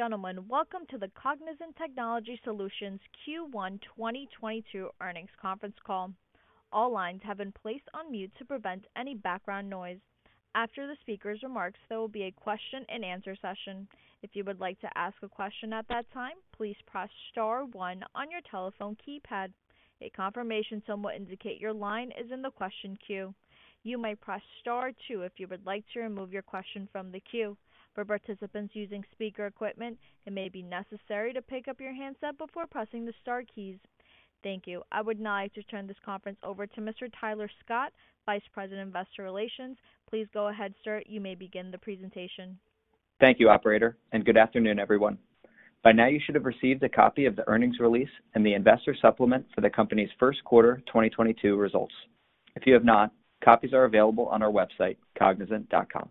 Ladies and gentlemen, welcome to the Cognizant Technology Solutions Q1 2022 earnings conference call. All lines have been placed on mute to prevent any background noise. After the speaker's remarks, there will be a question and answer session. If you would like to ask a question at that time, please press star one on your telephone keypad. A confirmation tone will indicate your line is in the question queue. You may press star two if you would like to remove your question from the queue. For participants using speaker equipment, it may be necessary to pick up your handset before pressing the star keys. Thank you. I would now like to turn this conference over to Mr. Tyler Scott, Vice President, Investor Relations. Please go ahead, sir. You may begin the presentation. Thank you, operator, and good afternoon, everyone. By now, you should have received a copy of the earnings release and the investor supplement for the company's first quarter 2022 results. If you have not, copies are available on our website, cognizant.com.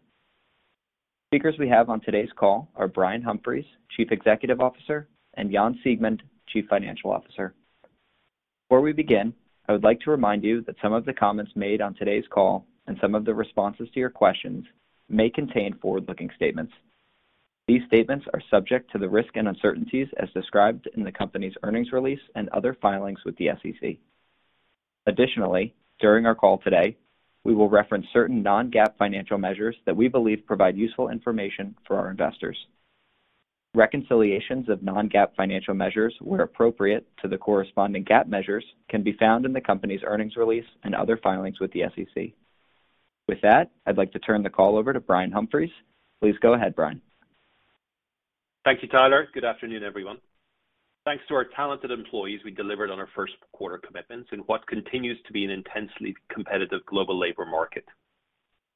Speakers we have on today's call are Brian Humphries, Chief Executive Officer, and Jan Siegmund, Chief Financial Officer. Before we begin, I would like to remind you that some of the comments made on today's call and some of the responses to your questions may contain forward-looking statements. These statements are subject to the risks and uncertainties as described in the company's earnings release and other filings with the SEC. Additionally, during our call today, we will reference certain non-GAAP financial measures that we believe provide useful information for our investors. Reconciliations of non-GAAP financial measures, where appropriate to the corresponding GAAP measures, can be found in the company's earnings release and other filings with the SEC. With that, I'd like to turn the call over to Brian Humphries. Please go ahead, Brian. Thank you, Tyler. Good afternoon, everyone. Thanks to our talented employees, we delivered on our first quarter commitments in what continues to be an intensely competitive global labor market.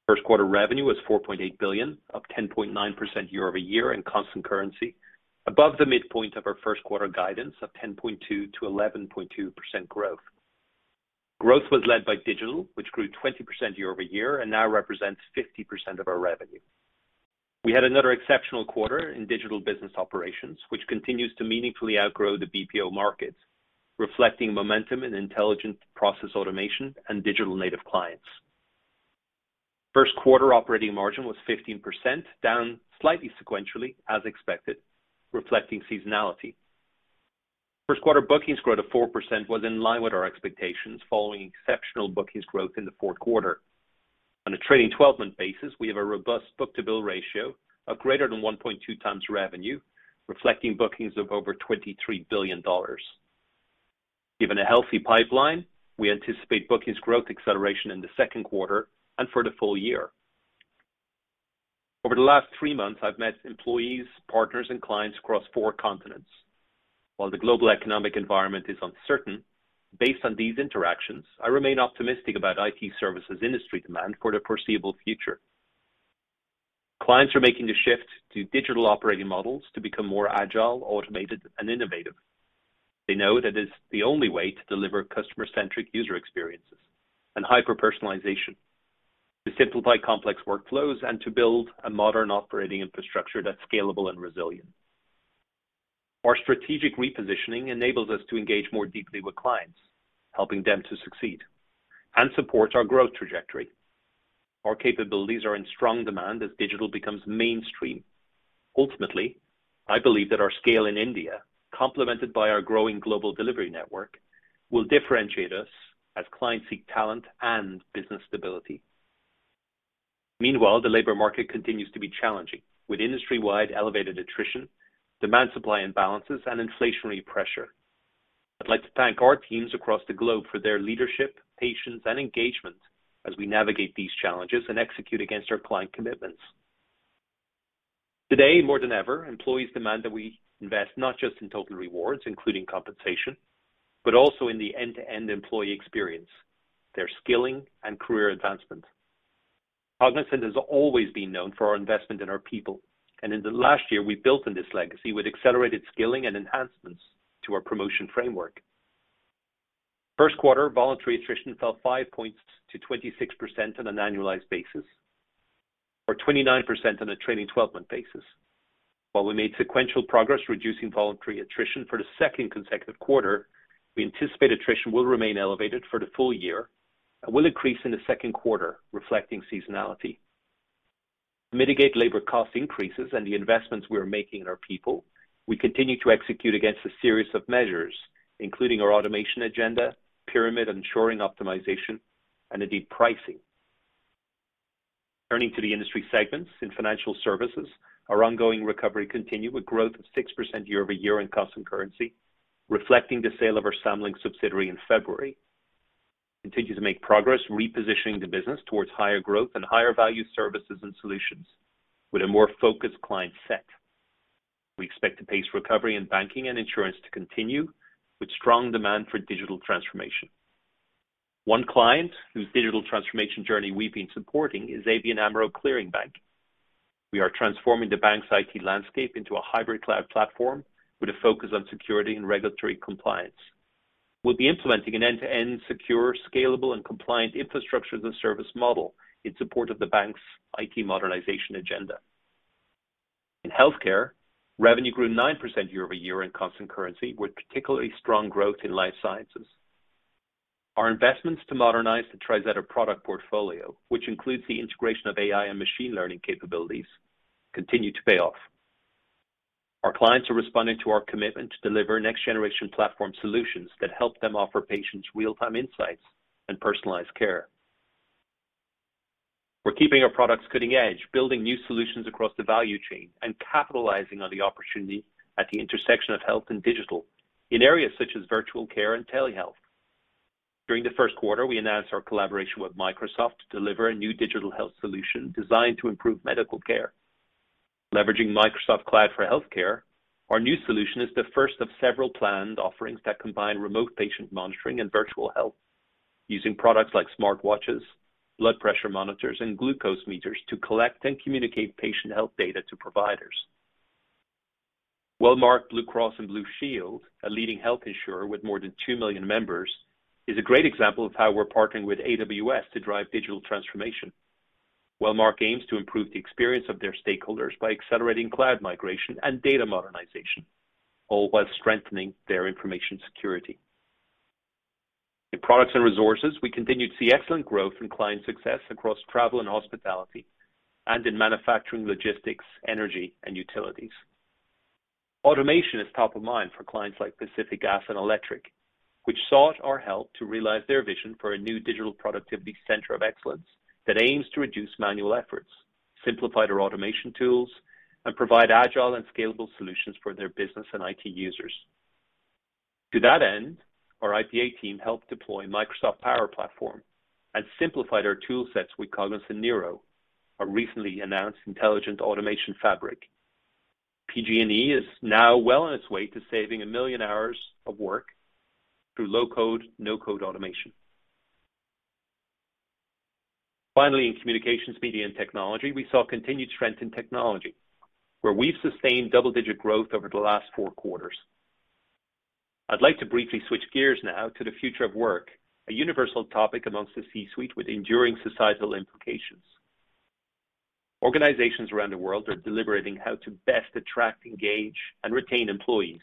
First quarter revenue was $4.8 billion, up 10.9% year-over-year in constant currency, above the midpoint of our first quarter guidance of 10.2%-11.2% growth. Growth was led by digital, which grew 20% year-over-year and now represents 50% of our revenue. We had another exceptional quarter in digital business operations, which continues to meaningfully outgrow the BPO market, reflecting momentum in intelligent process automation and digital native clients. First quarter operating margin was 15%, down slightly sequentially as expected, reflecting seasonality. First quarter bookings growth of 4% was in line with our expectations following exceptional bookings growth in the fourth quarter. On a trailing 12-month basis, we have a robust book-to-bill ratio of greater than 1.2x revenue, reflecting bookings of over $23 billion. Given a healthy pipeline, we anticipate bookings growth acceleration in the second quarter and for the full year. Over the last three months, I've met employees, partners, and clients across four continents. While the global economic environment is uncertain, based on these interactions, I remain optimistic about IT services industry demand for the foreseeable future. Clients are making the shift to digital operating models to become more agile, automated, and innovative. They know that it's the only way to deliver customer-centric user experiences and hyper-personalization, to simplify complex workflows, and to build a modern operating infrastructure that's scalable and resilient. Our strategic repositioning enables us to engage more deeply with clients, helping them to succeed and supports our growth trajectory. Our capabilities are in strong demand as digital becomes mainstream. Ultimately, I believe that our scale in India, complemented by our growing global delivery network, will differentiate us as clients seek talent and business stability. Meanwhile, the labor market continues to be challenging with industry-wide elevated attrition, demand-supply imbalances and inflationary pressure. I'd like to thank our teams across the globe for their leadership, patience, and engagement as we navigate these challenges and execute against our client commitments. Today, more than ever, employees demand that we invest not just in total rewards, including compensation, but also in the end-to-end employee experience, their skilling and career advancement. Cognizant has always been known for our investment in our people, and in the last year, we've built on this legacy with accelerated skilling and enhancements to our promotion framework. First quarter voluntary attrition fell 5 points to 26% on an annualized basis, or 29% on a trailing 12 month basis. While we made sequential progress reducing voluntary attrition for the second consecutive quarter, we anticipate attrition will remain elevated for the full year and will increase in the second quarter, reflecting seasonality. To mitigate labor cost increases and the investments we are making in our people, we continue to execute against a series of measures, including our automation agenda, pyramid and shoring optimization, and indeed pricing. Turning to the industry segments in financial services, our ongoing recovery continued with growth of 6% year-over-year in constant currency, reflecting the sale of our Samlink subsidiary in February. We continue to make progress repositioning the business towards higher growth and higher value services and solutions with a more focused client set. We expect the pace of recovery in banking and insurance to continue with strong demand for digital transformation. One client whose digital transformation journey we've been supporting is ABN AMRO Clearing Bank. We are transforming the bank's IT landscape into a hybrid cloud platform with a focus on security and regulatory compliance. We'll be implementing an end-to-end secure, scalable, and compliant infrastructure as a service model in support of the bank's IT modernization agenda. In healthcare, revenue grew 9% year-over-year in constant currency, with particularly strong growth in life sciences. Our investments to modernize the TriZetto product portfolio, which includes the integration of AI and machine learning capabilities, continue to pay off. Our clients are responding to our commitment to deliver next-generation platform solutions that help them offer patients real-time insights and personalized care. We're keeping our products cutting edge, building new solutions across the value chain, and capitalizing on the opportunity at the intersection of health and digital in areas such as virtual care and telehealth. During the first quarter, we announced our collaboration with Microsoft to deliver a new digital health solution designed to improve medical care. Leveraging Microsoft Cloud for Healthcare, our new solution is the first of several planned offerings that combine remote patient monitoring and virtual health using products like smartwatches, blood pressure monitors, and glucose meters to collect and communicate patient health data to providers. Wellmark Blue Cross and Blue Shield, a leading health insurer with more than 2 million members, is a great example of how we're partnering with AWS to drive digital transformation. Wellmark aims to improve the experience of their stakeholders by accelerating cloud migration and data modernization, all while strengthening their information security. In products and resources, we continued to see excellent growth in client success across travel and hospitality and in manufacturing, logistics, energy, and utilities. Automation is top of mind for clients like Pacific Gas and Electric, which sought our help to realize their vision for a new digital productivity center of excellence that aims to reduce manual efforts, simplify their automation tools, and provide agile and scalable solutions for their business and IT users. To that end, our IPA team helped deploy Microsoft Power Platform and simplified our tool sets with Cognizant Neuro, our recently announced intelligent automation fabric. PG&E is now well on its way to saving a million hours of work through low-code, no-code automation. Finally, in communications, media, and technology, we saw continued trends in technology, where we've sustained double-digit growth over the last four quarters. I'd like to briefly switch gears now to the future of work, a universal topic among the C-suite with enduring societal implications. Organizations around the world are deliberating how to best attract, engage, and retain employees.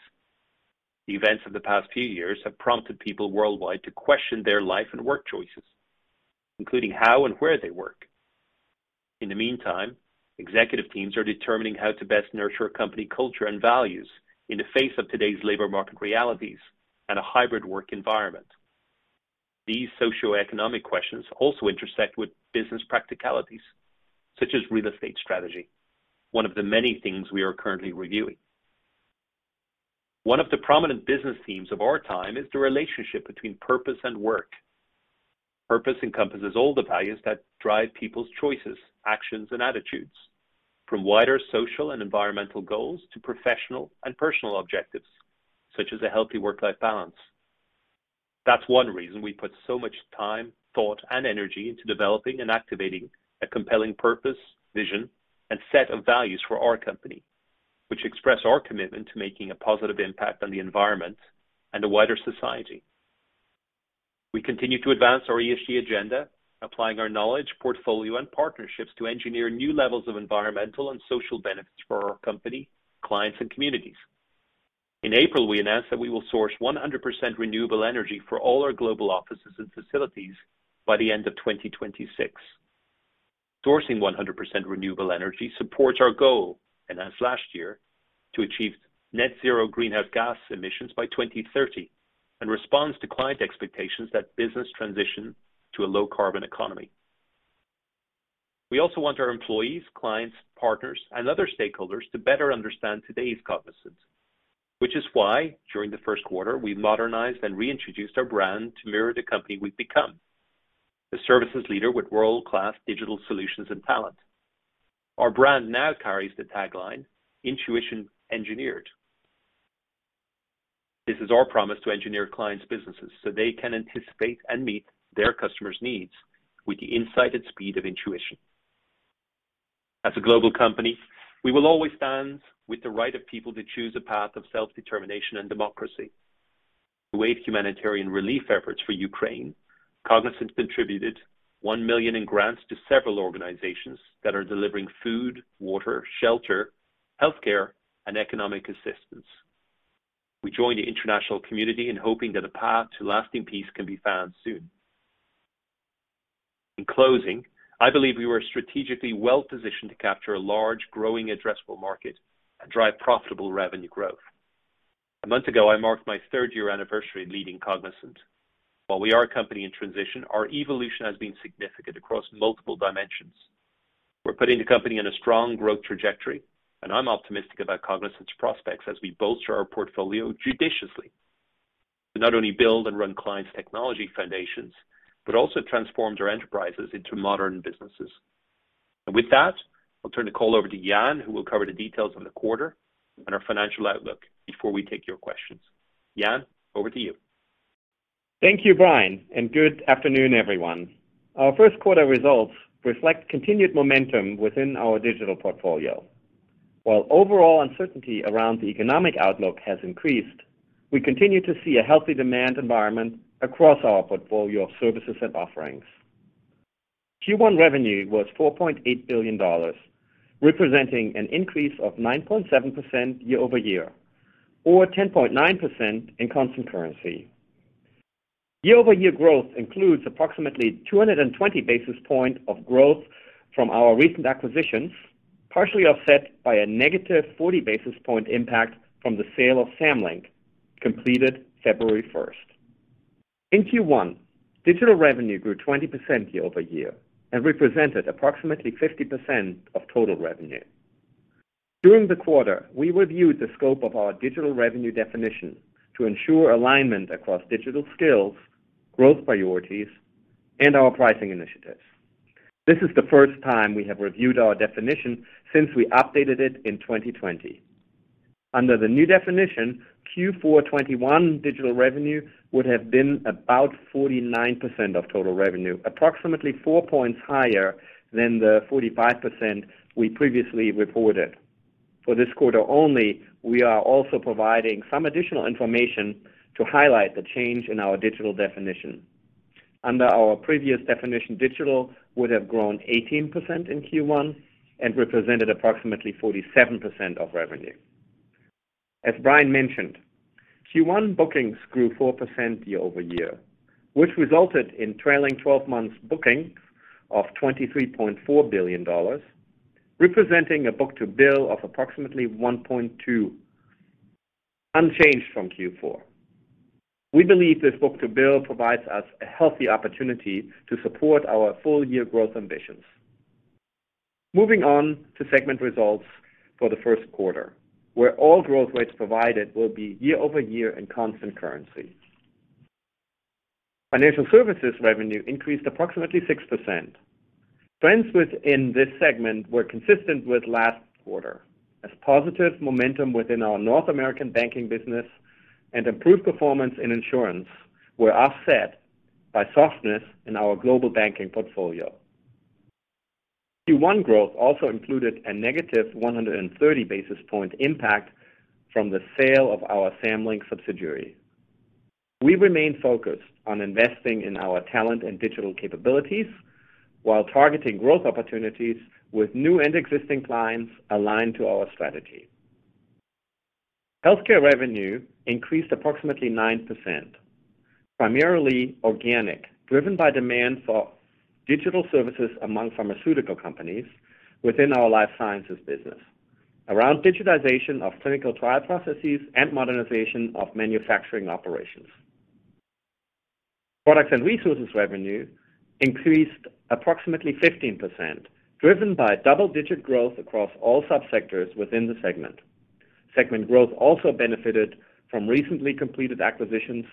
The events of the past few years have prompted people worldwide to question their life and work choices, including how and where they work. In the meantime, executive teams are determining how to best nurture company culture and values in the face of today's labor market realities and a hybrid work environment. These socioeconomic questions also intersect with business practicalities, such as real estate strategy, one of the many things we are currently reviewing. One of the prominent business themes of our time is the relationship between purpose and work. Purpose encompasses all the values that drive people's choices, actions, and attitudes, from wider social and environmental goals to professional and personal objectives, such as a healthy work-life balance. That's one reason we put so much time, thought, and energy into developing and activating a compelling purpose, vision, and set of values for our company, which express our commitment to making a positive impact on the environment and the wider society. We continue to advance our ESG agenda, applying our knowledge, portfolio, and partnerships to engineer new levels of environmental and social benefits for our company, clients, and communities. In April, we announced that we will source 100% renewable energy for all our global offices and facilities by the end of 2026. Sourcing 100% renewable energy supports our goal, announced last year, to achieve net zero greenhouse gas emissions by 2030 and responds to client expectations that businesses transition to a low-carbon economy. We also want our employees, clients, partners, and other stakeholders to better understand today's Cognizant. Which is why, during the first quarter, we modernized and reintroduced our brand to mirror the company we've become, the services leader with world-class digital solutions and talent. Our brand now carries the tagline, Intuition Engineered. This is our promise to engineer clients' businesses so they can anticipate and meet their customers' needs with the insight and speed of intuition. As a global company, we will always stand with the right of people to choose a path of self-determination and democracy. To aid humanitarian relief efforts for Ukraine, Cognizant contributed $1 million in grants to several organizations that are delivering food, water, shelter, healthcare, and economic assistance. We join the international community in hoping that a path to lasting peace can be found soon. In closing, I believe we are strategically well-positioned to capture a large, growing addressable market and drive profitable revenue growth. A month ago, I marked my third-year anniversary of leading Cognizant. While we are a company in transition, our evolution has been significant across multiple dimensions. We're putting the company in a strong growth trajectory, and I'm optimistic about Cognizant's prospects as we bolster our portfolio judiciously to not only build and run clients' technology foundations, but also transform their enterprises into modern businesses. With that, I'll turn the call over to Jan Siegmund, who will cover the details on the quarter and our financial outlook before we take your questions. Jan Siegmund, over to you. Thank you, Brian, and good afternoon, everyone. Our first quarter results reflect continued momentum within our digital portfolio. While overall uncertainty around the economic outlook has increased, we continue to see a healthy demand environment across our portfolio of services and offerings. Q1 revenue was $4.8 billion, representing an increase of 9.7% year-over-year or 10.9% in constant currency. Year-over-year growth includes approximately 220 basis points of growth from our recent acquisitions, partially offset by a negative 40 basis points impact from the sale of Samlink completed February first. In Q1, digital revenue grew 20% year-over-year and represented approximately 50% of total revenue. During the quarter, we reviewed the scope of our digital revenue definition to ensure alignment across digital skills, growth priorities, and our pricing initiatives. This is the first time we have reviewed our definition since we updated it in 2020. Under the new definition, Q4 2021 digital revenue would have been about 49% of total revenue, approximately four points higher than the 45% we previously reported. For this quarter only, we are also providing some additional information to highlight the change in our digital definition. Under our previous definition, digital would have grown 18% in Q1 and represented approximately 47% of revenue. As Brian mentioned, Q1 bookings grew 4% year-over-year, which resulted in trailing 12 months bookings of $23.4 billion, representing a book-to-bill of approximately 1.2, unchanged from Q4. We believe this book-to-bill provides us a healthy opportunity to support our full year growth ambitions. Moving on to segment results for the first quarter, where all growth rates provided will be year-over-year in constant currency. Financial services revenue increased approximately 6%. Trends within this segment were consistent with last quarter, as positive momentum within our North American banking business and improved performance in insurance were offset by softness in our global banking portfolio. Q1 growth also included a negative 100 basis points impact from the sale of our Samlink subsidiary. We remain focused on investing in our talent and digital capabilities while targeting growth opportunities with new and existing clients aligned to our strategy. Healthcare revenue increased approximately 9%, primarily organic, driven by demand for digital services among pharmaceutical companies within our life sciences business around digitization of clinical trial processes and modernization of manufacturing operations. Products and resources revenue increased approximately 15%, driven by double-digit growth across all sub-sectors within the segment. Segment growth also benefited from recently completed acquisitions,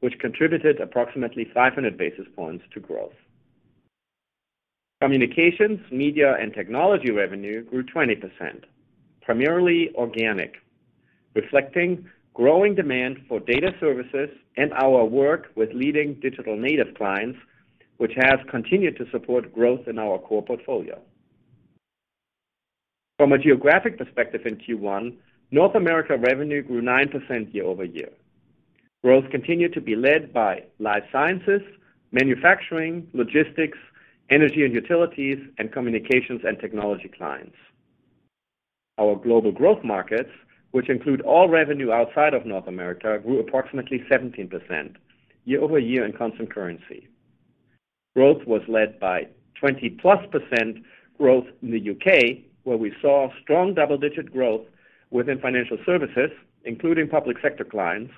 which contributed approximately 500 basis points to growth. Communications, media, and technology revenue grew 20%, primarily organic, reflecting growing demand for data services and our work with leading digital native clients, which has continued to support growth in our core portfolio. From a geographic perspective in Q1, North America revenue grew 9% year-over-year. Growth continued to be led by life sciences, manufacturing, logistics, energy and utilities, and communications and technology clients. Our global growth markets, which include all revenue outside of North America, grew approximately 17% year-over-year in constant currency. Growth was led by 20%+ growth in the U.K., where we saw strong double-digit growth within financial services, including public sector clients,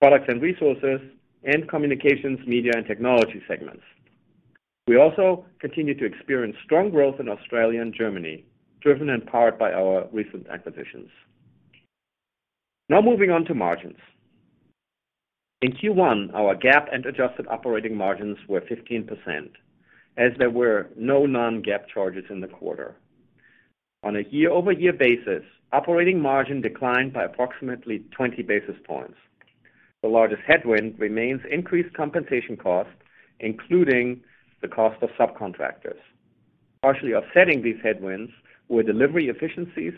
products and resources, and communications, media, and technology segments. We also continued to experience strong growth in Australia and Germany, driven and powered by our recent acquisitions. Now moving on to margins. In Q1, our GAAP and adjusted operating margins were 15%, as there were no non-GAAP charges in the quarter. On a year-over-year basis, operating margin declined by approximately 20 basis points. The largest headwind remains increased compensation costs, including the cost of subcontractors. Partially offsetting these headwinds were delivery efficiencies,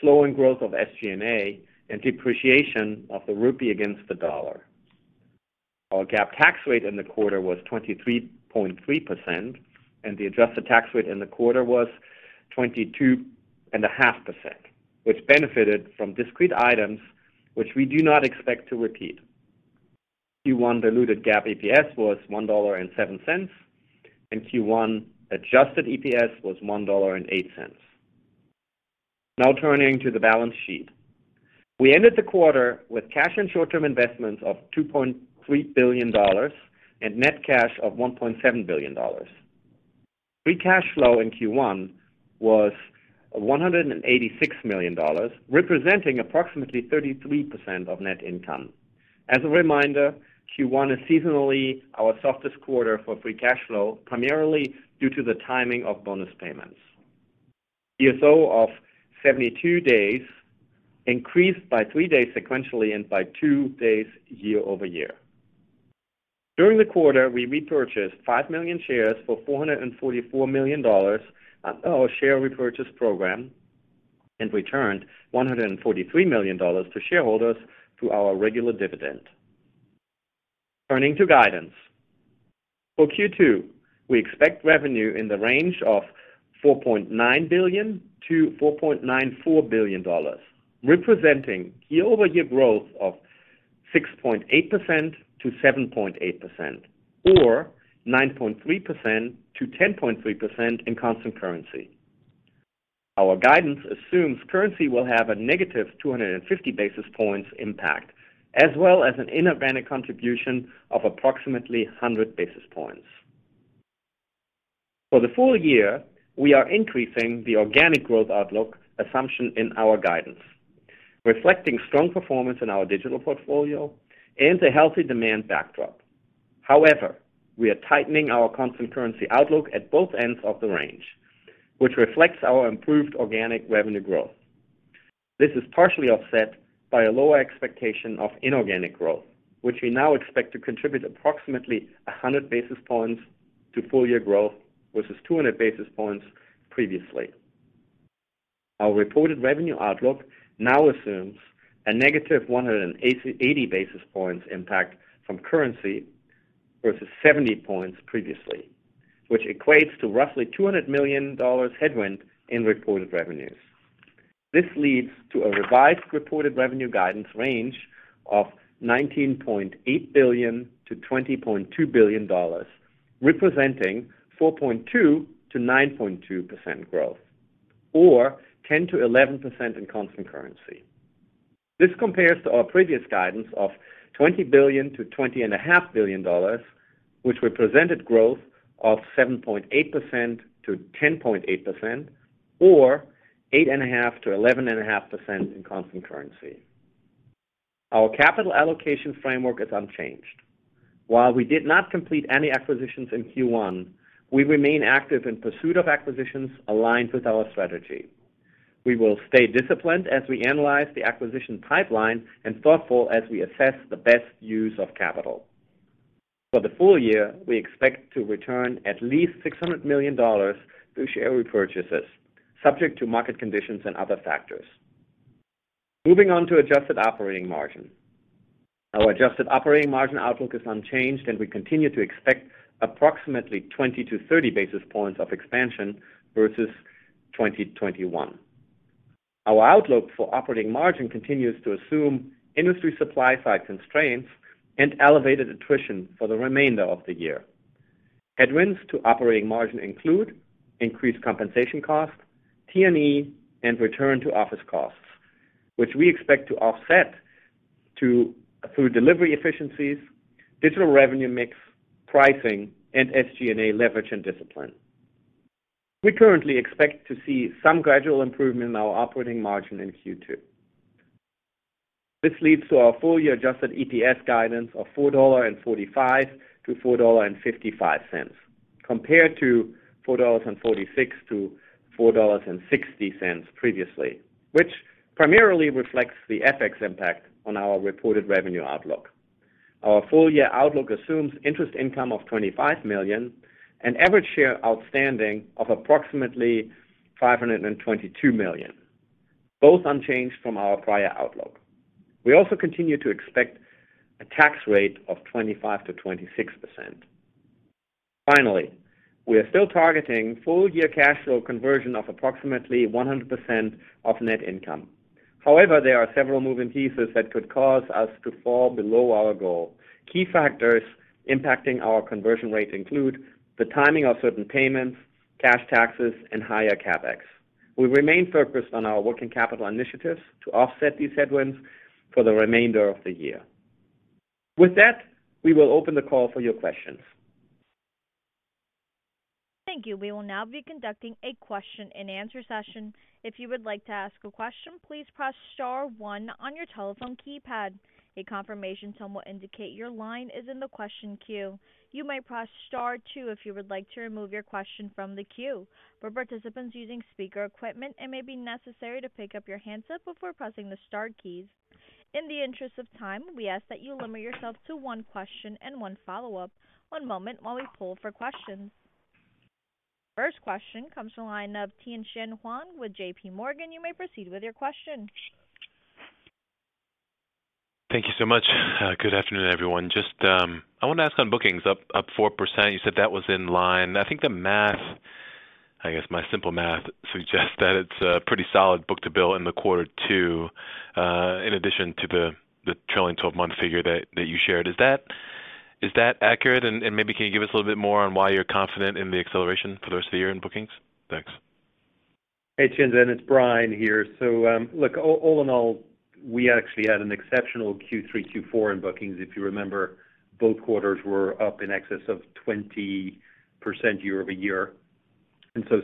slowing growth of SG&A, and depreciation of the rupee against the dollar. Our GAAP tax rate in the quarter was 23.3%, and the adjusted tax rate in the quarter was 22.5%, which benefited from discrete items which we do not expect to repeat. Q1 diluted GAAP EPS was $1.07, and Q1 adjusted EPS was $1.08. Now turning to the balance sheet. We ended the quarter with cash and short-term investments of $2.3 billion and net cash of $1.7 billion. Free cash flow in Q1 was $186 million, representing approximately 33% of net income. As a reminder, Q1 is seasonally our softest quarter for free cash flow, primarily due to the timing of bonus payments. DSO of 72 days increased by three days sequentially and by two days year over year. During the quarter, we repurchased 5 million shares for $444 million on our share repurchase program. Returned $143 million to shareholders through our regular dividend. Turning to guidance. For Q2, we expect revenue in the range of $4.9 billion-$4.94 billion, representing year-over-year growth of 6.8%-7.8% or 9.3%-10.3% in constant currency. Our guidance assumes currency will have a negative 250 basis points impact as well as an inorganic contribution of approximately 100 basis points. For the full year, we are increasing the organic growth outlook assumption in our guidance, reflecting strong performance in our digital portfolio and a healthy demand backdrop. However, we are tightening our constant currency outlook at both ends of the range, which reflects our improved organic revenue growth. This is partially offset by a lower expectation of inorganic growth, which we now expect to contribute approximately 100 basis points to full year growth versus 200 basis points previously. Our reported revenue outlook now assumes a negative 180 basis points impact from currency versus 70 basis points previously, which equates to roughly $200 million headwind in reported revenues. This leads to a revised reported revenue guidance range of $19.8 billion-$20.2 billion, representing 4.2%-9.2% growth or 10%-11% in constant currency. This compares to our previous guidance of $20 billion-$20.5 billion, which represented growth of 7.8%-10.8% or 8.5%-11.5% in constant currency. Our capital allocation framework is unchanged. While we did not complete any acquisitions in Q1, we remain active in pursuit of acquisitions aligned with our strategy. We will stay disciplined as we analyze the acquisition pipeline and thoughtful as we assess the best use of capital. For the full year, we expect to return at least $600 million through share repurchases, subject to market conditions and other factors. Moving on to adjusted operating margin. Our adjusted operating margin outlook is unchanged, and we continue to expect approximately 20 to 30 basis points of expansion versus 2021. Our outlook for operating margin continues to assume industry supply side constraints and elevated attrition for the remainder of the year. Headwinds to operating margin include increased compensation costs, T&E, and return to office costs, which we expect to offset through delivery efficiencies, digital revenue mix, pricing, and SG&A leverage and discipline. We currently expect to see some gradual improvement in our operating margin in Q2. This leads to our full year adjusted EPS guidance of $4.45-$4.55, compared to $4.46-$4.60 previously, which primarily reflects the FX impact on our reported revenue outlook. Our full year outlook assumes interest income of $25 million and average share outstanding of approximately 522 million, both unchanged from our prior outlook. We also continue to expect a tax rate of 25%-26%. Finally, we are still targeting full year cash flow conversion of approximately 100% of net income. However, there are several moving pieces that could cause us to fall below our goal. Key factors impacting our conversion rate include the timing of certain payments, cash taxes, and higher CapEx. We remain focused on our working capital initiatives to offset these headwinds for the remainder of the year. With that, we will open the call for your questions. Thank you. We will now be conducting a question and answer session. If you would like to ask a question, please press star one on your telephone keypad. A confirmation tone will indicate your line is in the question queue. You may press star two if you would like to remove your question from the queue. For participants using speaker equipment, it may be necessary to pick up your handset before pressing the star keys. In the interest of time, we ask that you limit yourselves to one question and one follow-up. One moment while we poll for questions. First question comes from the line of Tien-Tsin Huang with JPMorgan. You may proceed with your question. Thank you so much. Good afternoon, everyone. Just, I want to ask on bookings up 4%. You said that was in line. I think the math, I guess my simple math suggests that it's a pretty solid book-to-bill in the quarter two, in addition to the trailing 12 month figure that you shared. Is that accurate? Maybe can you give us a little bit more on why you're confident in the acceleration for the rest of the year in bookings? Thanks. Hey, Tien-Tsin, it's Brian here. Look, all in all, we actually had an exceptional Q3, Q4 in bookings. If you remember, both quarters were up in excess of 20% year-over-year.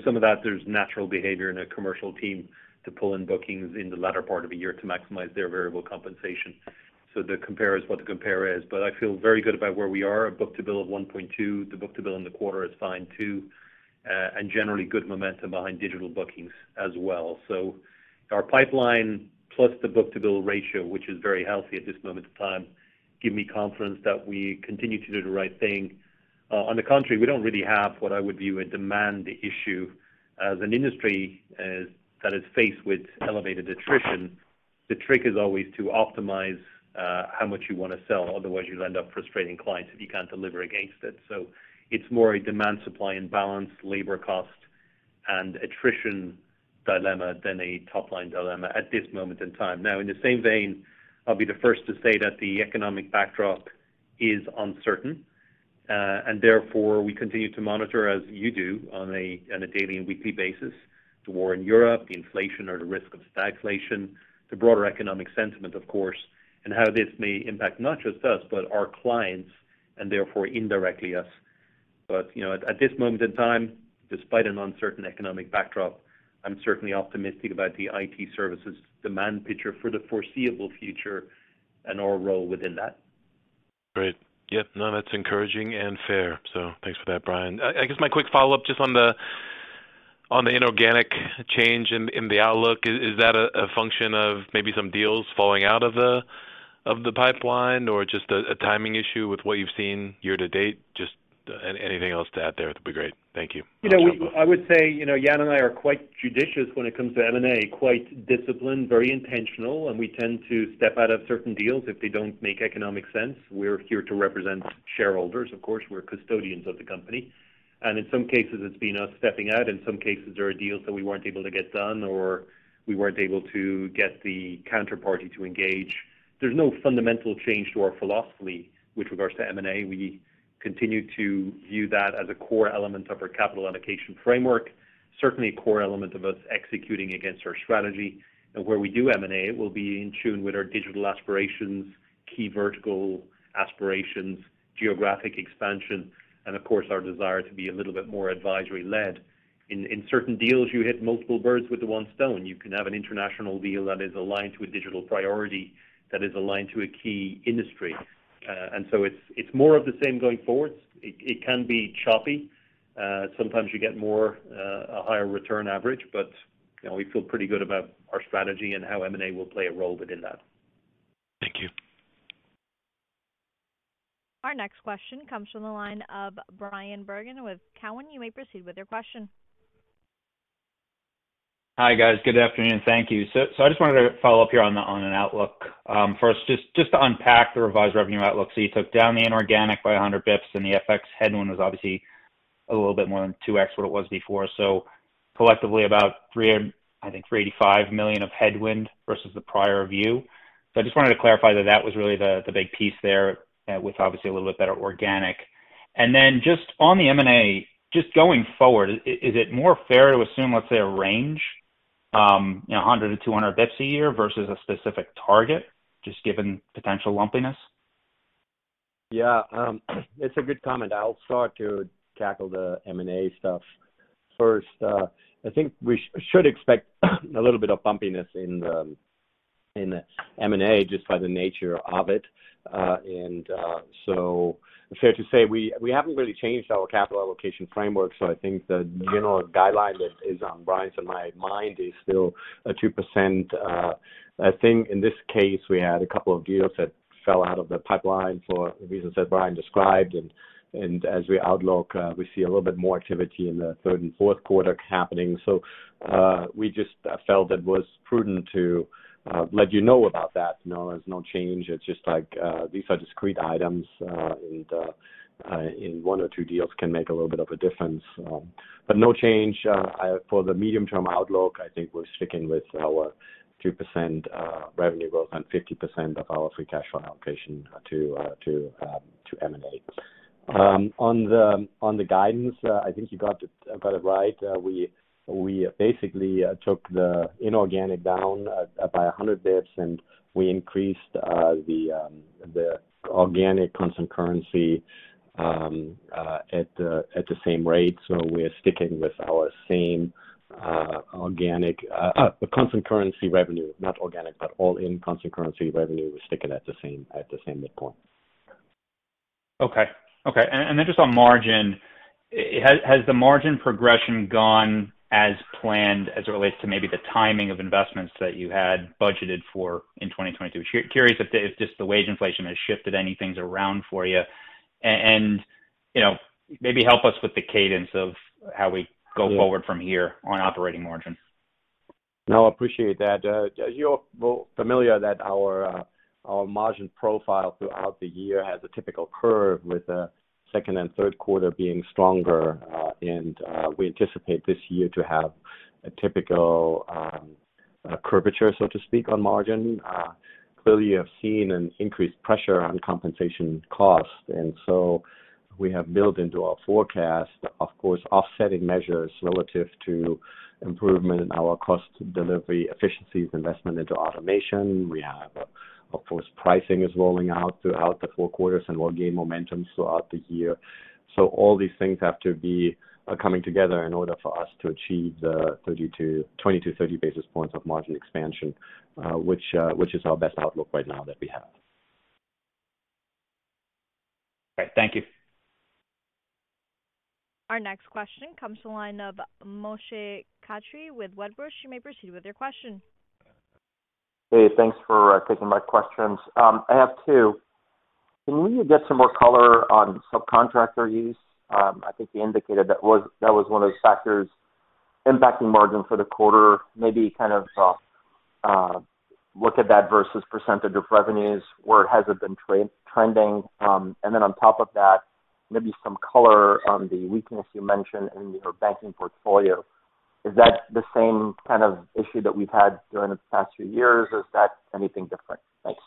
Some of that there's natural behavior in a commercial team to pull in bookings in the latter part of a year to maximize their variable compensation. The comp is what the comp is, but I feel very good about where we are. A book-to-bill of 1.2. The book-to-bill in the quarter is fine too. Generally good momentum behind digital bookings as well. Our pipeline plus the book-to-bill ratio, which is very healthy at this moment in time, give me confidence that we continue to do the right thing. On the contrary, we don't really have what I would view a demand issue as an industry that is faced with elevated attrition. The trick is always to optimize how much you wanna sell, otherwise you'll end up frustrating clients if you can't deliver against it. It's more a demand supply and balance, labor cost and attrition dilemma than a top line dilemma at this moment in time. Now in the same vein, I'll be the first to say that the economic backdrop is uncertain. Therefore, we continue to monitor, as you do, on a daily and weekly basis, the war in Europe, the inflation or the risk of stagflation, the broader economic sentiment of course, and how this may impact not just us, but our clients and therefore indirectly us. You know, at this moment in time, despite an uncertain economic backdrop, I'm certainly optimistic about the IT services demand picture for the foreseeable future and our role within that. Great. Yep. No, that's encouraging and fair. Thanks for that, Brian. I guess my quick follow-up just on the inorganic change in the outlook. Is that a function of maybe some deals falling out of the pipeline or just a timing issue with what you've seen year to date? Just anything else to add there would be great. Thank you. You know, I would say, you know, Jan and I are quite judicious when it comes to M&A, quite disciplined, very intentional, and we tend to step out of certain deals if they don't make economic sense. We're here to represent shareholders, of course, we're custodians of the company. In some cases, it's been us stepping out. In some cases, there are deals that we weren't able to get done or we weren't able to get the counterparty to engage. There's no fundamental change to our philosophy with regards to M&A. We continue to view that as a core element of our capital allocation framework, certainly a core element of us executing against our strategy. Where we do M&A, it will be in tune with our digital aspirations, key vertical aspirations, geographic expansion, and of course, our desire to be a little bit more advisory-led. In certain deals, you hit multiple birds with the one stone. You can have an international deal that is aligned to a digital priority, that is aligned to a key industry. It's more of the same going forward. It can be choppy. Sometimes you get more, a higher return average, but you know, we feel pretty good about our strategy and how M&A will play a role within that. Thank you. Our next question comes from the line of Bryan Bergin with Cowen. You may proceed with your question. Hi, guys. Good afternoon. Thank you. I just wanted to follow up here on an outlook. First, to unpack the revised revenue outlook. You took down the inorganic by 100 basis points, and the FX headwind was obviously a little bit more than 2x what it was before. Collectively about $385 million of headwind versus the prior view. I just wanted to clarify that that was really the big piece there, with obviously a little bit better organic. Then just on the M&A, just going forward, is it more fair to assume, let's say, a range, you know, 100-200 basis points a year versus a specific target, just given potential lumpiness? Yeah. It's a good comment. I'll start to tackle the M&A stuff first. I think we should expect a little bit of bumpiness in M&A just by the nature of it. Fair to say, we haven't really changed our capital allocation framework, so I think the general guideline that is on Brian's and my mind is still 2%. I think in this case, we had a couple of deals that fell out of the pipeline for the reasons that Brian described. As we outlook, we see a little bit more activity in the third and fourth quarter happening. We just felt it was prudent to let you know about that. No, there's no change. It's just like, these are discrete items, and one or two deals can make a little bit of a difference. But no change for the medium-term outlook. I think we're sticking with our 2% revenue growth and 50% of our free cash flow allocation to M&A. On the guidance, I think you got it quite right. We basically took the inorganic down by 100 basis points, and we increased the organic constant currency at the same rate. We're sticking with our same constant currency revenue, not organic, but all-in constant currency revenue, we're sticking at the same midpoint. Okay. Just on margin, has the margin progression gone as planned as it relates to maybe the timing of investments that you had budgeted for in 2022? Curious if just the wage inflation has shifted any things around for you? You know, maybe help us with the cadence of how we go forward from here on operating margin. No, I appreciate that. As you're familiar that our margin profile throughout the year has a typical curve with the second and third quarter being stronger, we anticipate this year to have a typical curvature, so to speak, on margin. Clearly, you have seen an increased pressure on compensation costs, and we have built into our forecast, of course, offsetting measures relative to improvement in our cost delivery efficiencies, investment into automation. We have, of course, pricing is rolling out throughout the four quarters and will gain momentum throughout the year. All these things have to be coming together in order for us to achieve the 20-30 basis points of margin expansion, which is our best outlook right now that we have. All right. Thank you. Our next question comes to the line of Moshe Katri with Wedbush. You may proceed with your question. Hey, thanks for taking my questions. I have two. Can we get some more color on subcontractor use? I think you indicated that was one of the factors impacting margin for the quarter. Maybe kind of look at that versus percentage of revenues, where has it been trending, and then on top of that, maybe some color on the weakness you mentioned in your banking portfolio. Is that the same kind of issue that we've had during the past few years, or is that anything different? Thanks.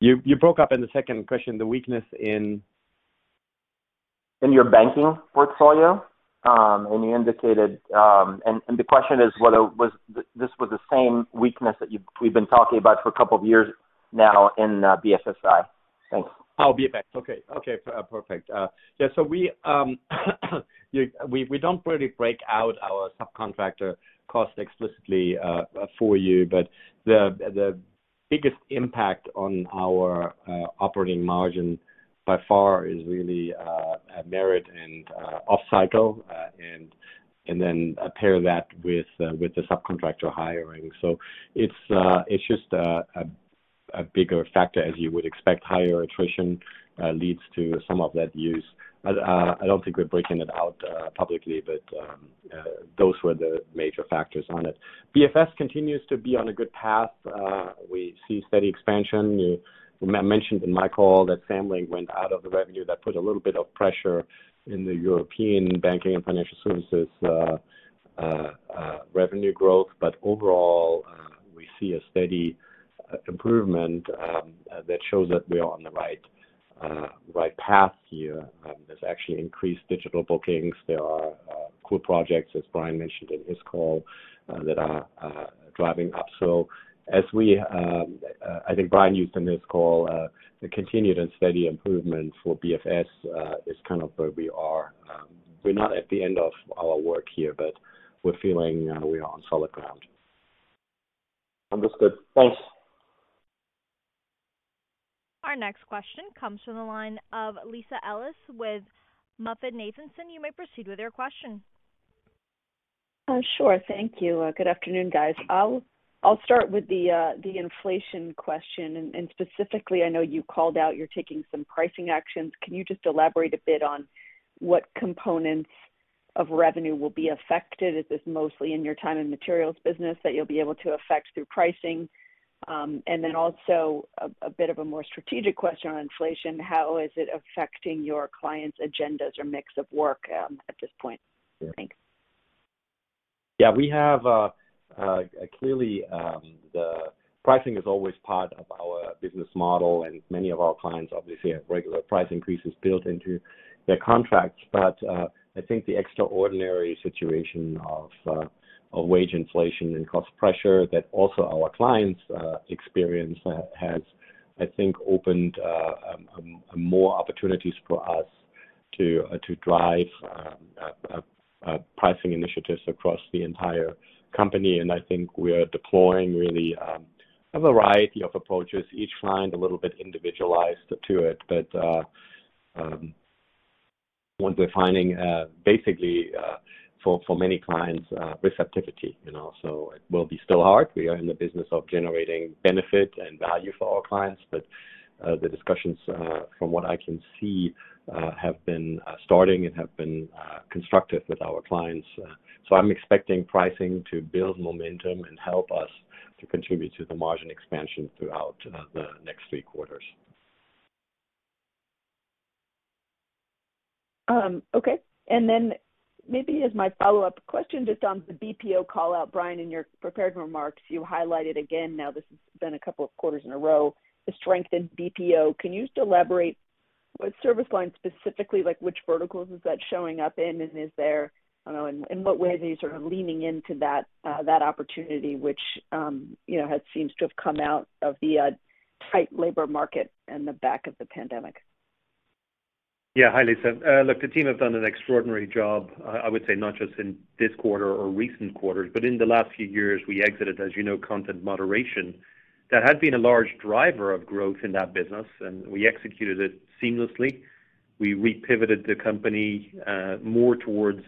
You broke up in the second question, the weakness in. In your banking portfolio, and you indicated. The question is whether this was the same weakness that we've been talking about for a couple of years now in BFSI. Thanks. BFSI. Okay. Okay, perfect. Yeah, so we don't really break out our subcontractor costs explicitly for you, but the biggest impact on our operating margin by far is really merit and off-cycle, and then pair that with the subcontractor hiring. It's just a bigger factor as you would expect. Higher attrition leads to some of that use. I don't think we're breaking it out publicly, but those were the major factors on it. BFS continues to be on a good path. We see steady expansion. We mentioned in my call that Samlink went out of the revenue. That put a little bit of pressure in the European banking and financial services revenue growth. Overall, we see a steady improvement that shows that we are on the right path here. There's actually increased digital bookings. There are cool projects, as Brian mentioned in his call, that are driving upsell. As we, I think Brian used in his call, the continued and steady improvement for BFS is kind of where we are. We're not at the end of our work here, but we're feeling we are on solid ground. Understood. Thanks. Our next question comes from the line of Lisa Ellis with MoffettNathanson. You may proceed with your question. Sure. Thank you. Good afternoon, guys. I'll start with the inflation question, and specifically, I know you called out you're taking some pricing actions. Can you just elaborate a bit on what components of revenue will be affected? Is this mostly in your time and materials business that you'll be able to affect through pricing? Also a bit of a more strategic question on inflation. How is it affecting your clients' agendas or mix of work, at this point? Thanks. Yeah, we have clearly the pricing is always part of our business model, and many of our clients obviously have regular price increases built into their contracts. I think the extraordinary situation of wage inflation and cost pressure that also our clients experience has, I think, opened more opportunities for us to drive pricing initiatives across the entire company. I think we are deploying really a variety of approaches, each client a little bit individualized to it. What we're finding basically for many clients receptivity. You know, it will be still hard. We are in the business of generating benefit and value for our clients, but the discussions from what I can see have been starting and have been constructive with our clients. I'm expecting pricing to build momentum and help us to contribute to the margin expansion throughout the next three quarters. Okay. Maybe as my follow-up question, just on the BPO call-out, Brian, in your prepared remarks, you highlighted again, now this has been a couple of quarters in a row, the strength in BPO. Can you elaborate what service lines specifically, like which verticals is that showing up in? Is there—I don't know, in what way are they sort of leaning into that opportunity which, you know, seems to have come out of the tight labor market and the back of the pandemic? Yeah. Hi, Lisa. Look, the team have done an extraordinary job, I would say, not just in this quarter or recent quarters, but in the last few years. We exited, as you know, content moderation. That had been a large driver of growth in that business, and we executed it seamlessly. We re-pivoted the company, more towards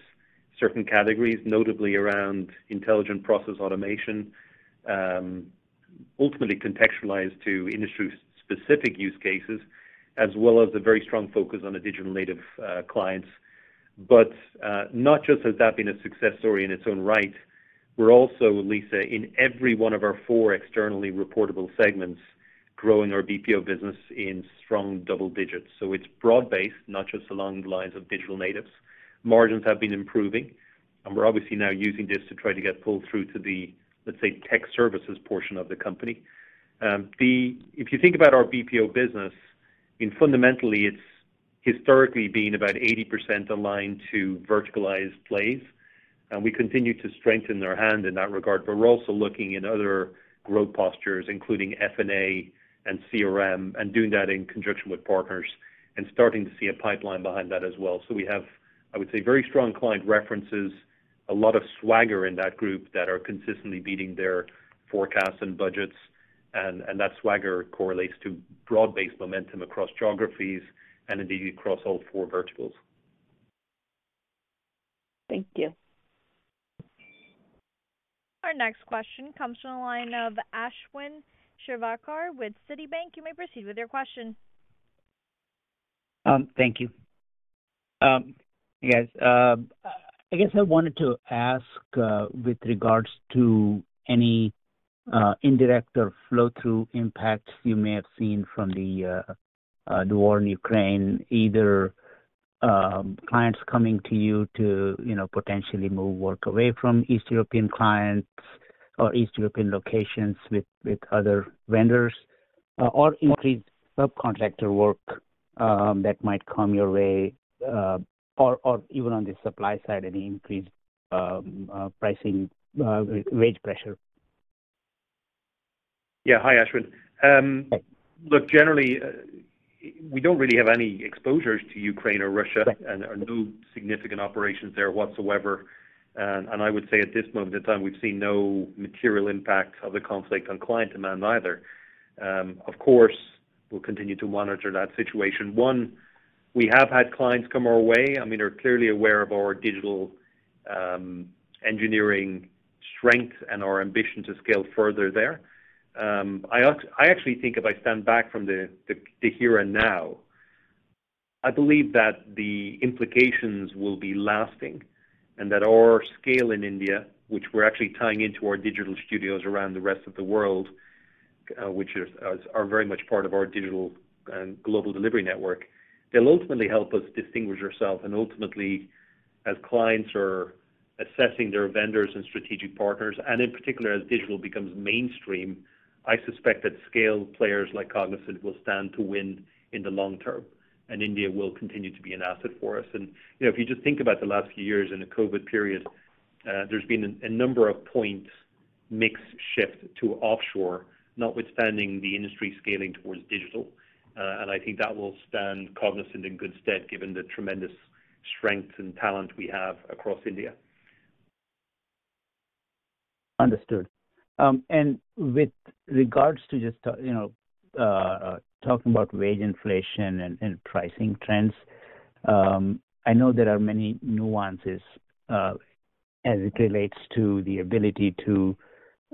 certain categories, notably around intelligent process automation, ultimately contextualized to industry-specific use cases, as well as a very strong focus on the digital native, clients. Not just has that been a success story in its own right, we're also, Lisa, in every one of our four externally reportable segments, growing our BPO business in strong double digits. It's broad-based, not just along the lines of digital natives. Margins have been improving, and we're obviously now using this to try to get pull-through to the, let's say, tech services portion of the company. If you think about our BPO business, I mean, fundamentally it's historically been about 80% aligned to verticalized plays, and we continue to strengthen our hand in that regard. We're also looking in other growth postures, including F&A and CRM, and doing that in conjunction with partners and starting to see a pipeline behind that as well. We have, I would say, very strong client references, a lot of swagger in that group that are consistently beating their forecasts and budgets, and that swagger correlates to broad-based momentum across geographies and indeed across all four verticals. Thank you. Our next question comes from the line of Ashwin Shirvaikar with Citi. You may proceed with your question. Thank you. Yes, I guess I wanted to ask with regards to any indirect or flow-through impact you may have seen from the war in Ukraine, either clients coming to you to, you know, potentially move work away from East European clients or East European locations with other vendors, or increased subcontractor work that might come your way, or even on the supply side, any increased pricing wage pressure? Yeah. Hi, Ashwin. Hi. Look, generally, we don't really have any exposures to Ukraine or Russia. Okay. There are no significant operations there whatsoever. I would say at this moment in time, we've seen no material impact of the conflict on client demand either. Of course, we'll continue to monitor that situation. One, we have had clients come our way, I mean, are clearly aware of our digital engineering strength and our ambition to scale further there. I actually think if I stand back from the here and now, I believe that the implications will be lasting and that our scale in India, which we're actually tying into our digital studios around the rest of the world, which are very much part of our digital and global delivery network. It'll ultimately help us distinguish ourselves, and ultimately, as clients are assessing their vendors and strategic partners, and in particular as digital becomes mainstream, I suspect that scale players like Cognizant will stand to win in the long term, and India will continue to be an asset for us. You know, if you just think about the last few years in the COVID period, there's been a number of points mix shift to offshore, notwithstanding the industry scaling towards digital. I think that will stand Cognizant in good stead given the tremendous strength and talent we have across India. Understood. With regards to just, you know, talking about wage inflation and pricing trends, I know there are many nuances as it relates to the ability to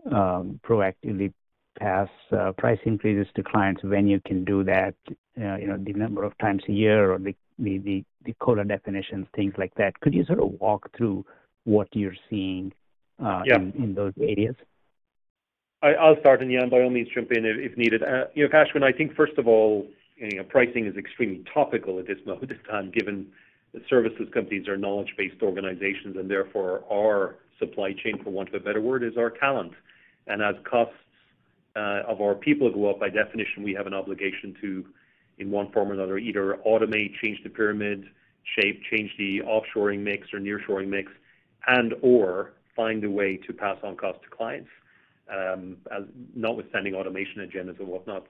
proactively pass price increases to clients when you can do that, you know, the number of times a year or the quota definitions, things like that. Could you sort of walk through what you're seeing? Yeah. In those areas? I'll start, and Jan, by all means, jump in if needed. You know, Ashwin, I think first of all, you know, pricing is extremely topical at this time, given that services companies are knowledge-based organizations, and therefore our supply chain, for want of a better word, is our talent. As costs of our people go up, by definition, we have an obligation to, in one form or another, either automate, change the pyramid shape, change the offshoring mix or nearshoring mix, and/or find a way to pass on cost to clients, as notwithstanding automation agendas or whatnot.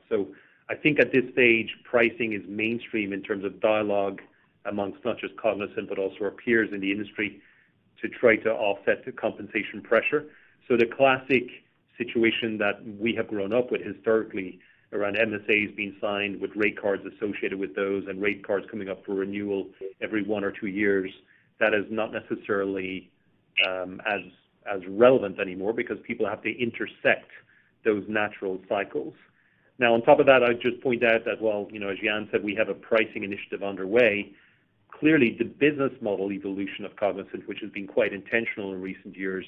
I think at this stage, pricing is mainstream in terms of dialogue amongst not just Cognizant, but also our peers in the industry to try to offset the compensation pressure. The classic situation that we have grown up with historically around MSAs being signed with rate cards associated with those and rate cards coming up for renewal every one or two years, that is not necessarily as relevant anymore because people have to intersect those natural cycles. Now, on top of that, I'd just point out that while you know, as Jan said, we have a pricing initiative underway. Clearly, the business model evolution of Cognizant, which has been quite intentional in recent years,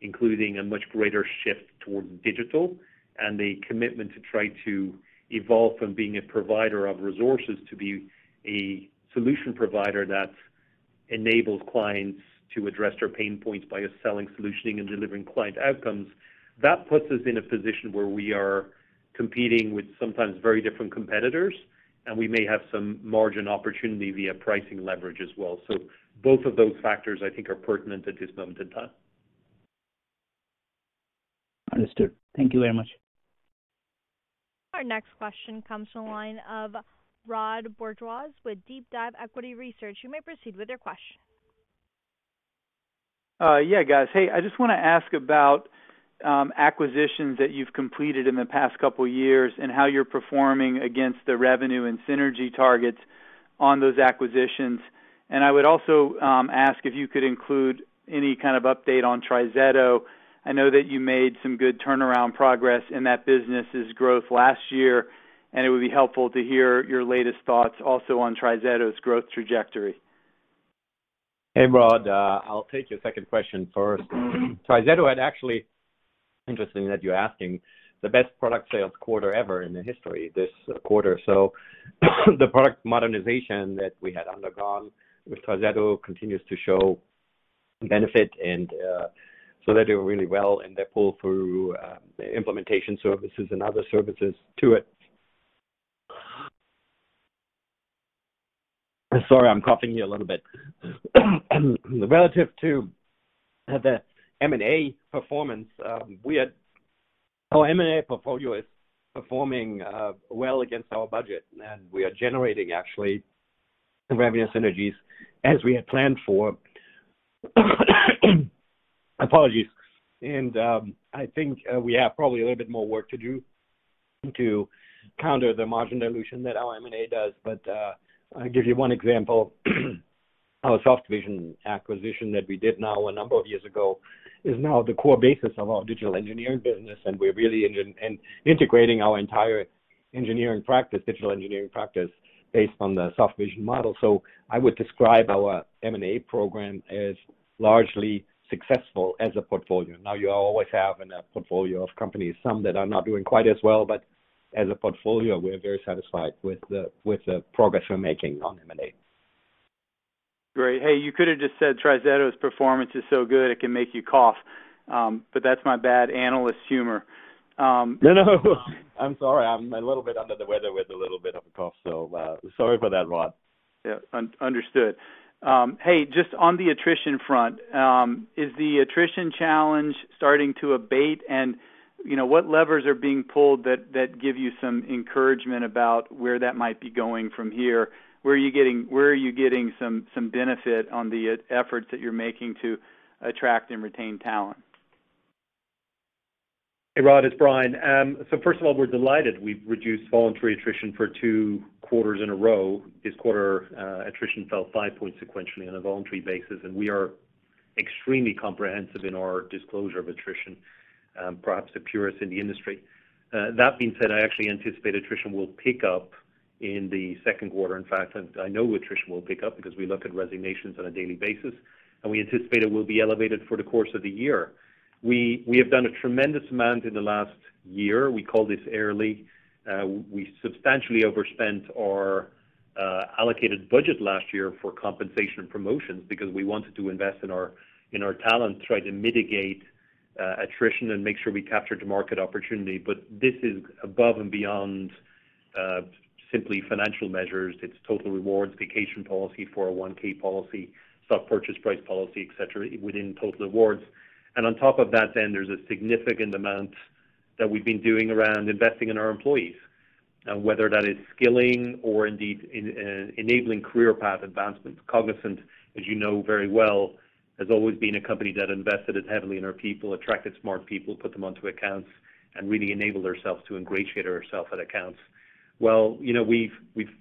including a much greater shift toward digital and the commitment to try to evolve from being a provider of resources to be a solution provider that enables clients to address their pain points by selling solutions and delivering client outcomes. That puts us in a position where we are competing with sometimes very different competitors, and we may have some margin opportunity via pricing leverage as well. Both of those factors, I think, are pertinent at this moment in time. Understood. Thank you very much. Our next question comes from the line of Rod Bourgeois with DeepDive Equity Research. You may proceed with your question. Yeah, guys. Hey, I just wanna ask about acquisitions that you've completed in the past couple years and how you're performing against the revenue and synergy targets on those acquisitions. I would also ask if you could include any kind of update on TriZetto. I know that you made some good turnaround progress in that business' growth last year, and it would be helpful to hear your latest thoughts also on TriZetto's growth trajectory. Hey, Rod. I'll take your second question first. TriZetto had actually, interesting that you're asking, the best product sales quarter ever in the history this quarter. The product modernization that we had undergone with TriZetto continues to show benefit and, so they're doing really well, and they pull through, the implementation services and other services to it. Sorry, I'm coughing here a little bit. Relative to the M&A performance, Our M&A portfolio is performing, well against our budget, and we are generating actually revenue synergies as we had planned for. Apologies. I think, we have probably a little bit more work to do to counter the margin dilution that our M&A does. I'll give you one example. Our Softvision acquisition that we did now a number of years ago is now the core basis of our digital engineering business, and we're really integrating our entire engineering practice, digital engineering practice based on the Softvision model. I would describe our M&A program as largely successful as a portfolio. Now you always have in a portfolio of companies, some that are not doing quite as well, but as a portfolio, we're very satisfied with the progress we're making on M&A. Great. Hey, you could have just said TriZetto's performance is so good it can make you cough. That's my bad analyst humor. No, no. I'm sorry. I'm a little bit under the weather with a little bit of a cough, so, sorry for that, Rod. Yeah, understood. Hey, just on the attrition front, is the attrition challenge starting to abate? You know, what levers are being pulled that give you some encouragement about where that might be going from here? Where are you getting some benefit on the efforts that you're making to attract and retain talent? Hey, Rod, it's Brian. So first of all, we're delighted we've reduced voluntary attrition for 2 quarters in a row. This quarter, attrition fell 5 points sequentially on a voluntary basis, and we are extremely comprehensive in our disclosure of attrition, perhaps the purest in the industry. That being said, I actually anticipate attrition will pick up in the second quarter. In fact, I know attrition will pick up because we look at resignations on a daily basis, and we anticipate it will be elevated for the course of the year. We have done a tremendous amount in the last year. We call this A-League. We substantially overspent our allocated budget last year for compensation and promotions because we wanted to invest in our talent to try to mitigate attrition and make sure we captured the market opportunity. This is above and beyond simply financial measures. It's total rewards, vacation policy, 401(k) policy, stock purchase price policy, et cetera, within total rewards. On top of that, there's a significant amount that we've been doing around investing in our employees, whether that is skilling or indeed enabling career path advancements. Cognizant, as you know very well, has always been a company that invested as heavily in our people, attracted smart people, put them onto accounts, and really enabled ourselves to ingratiate ourselves at accounts. Well, you know, we've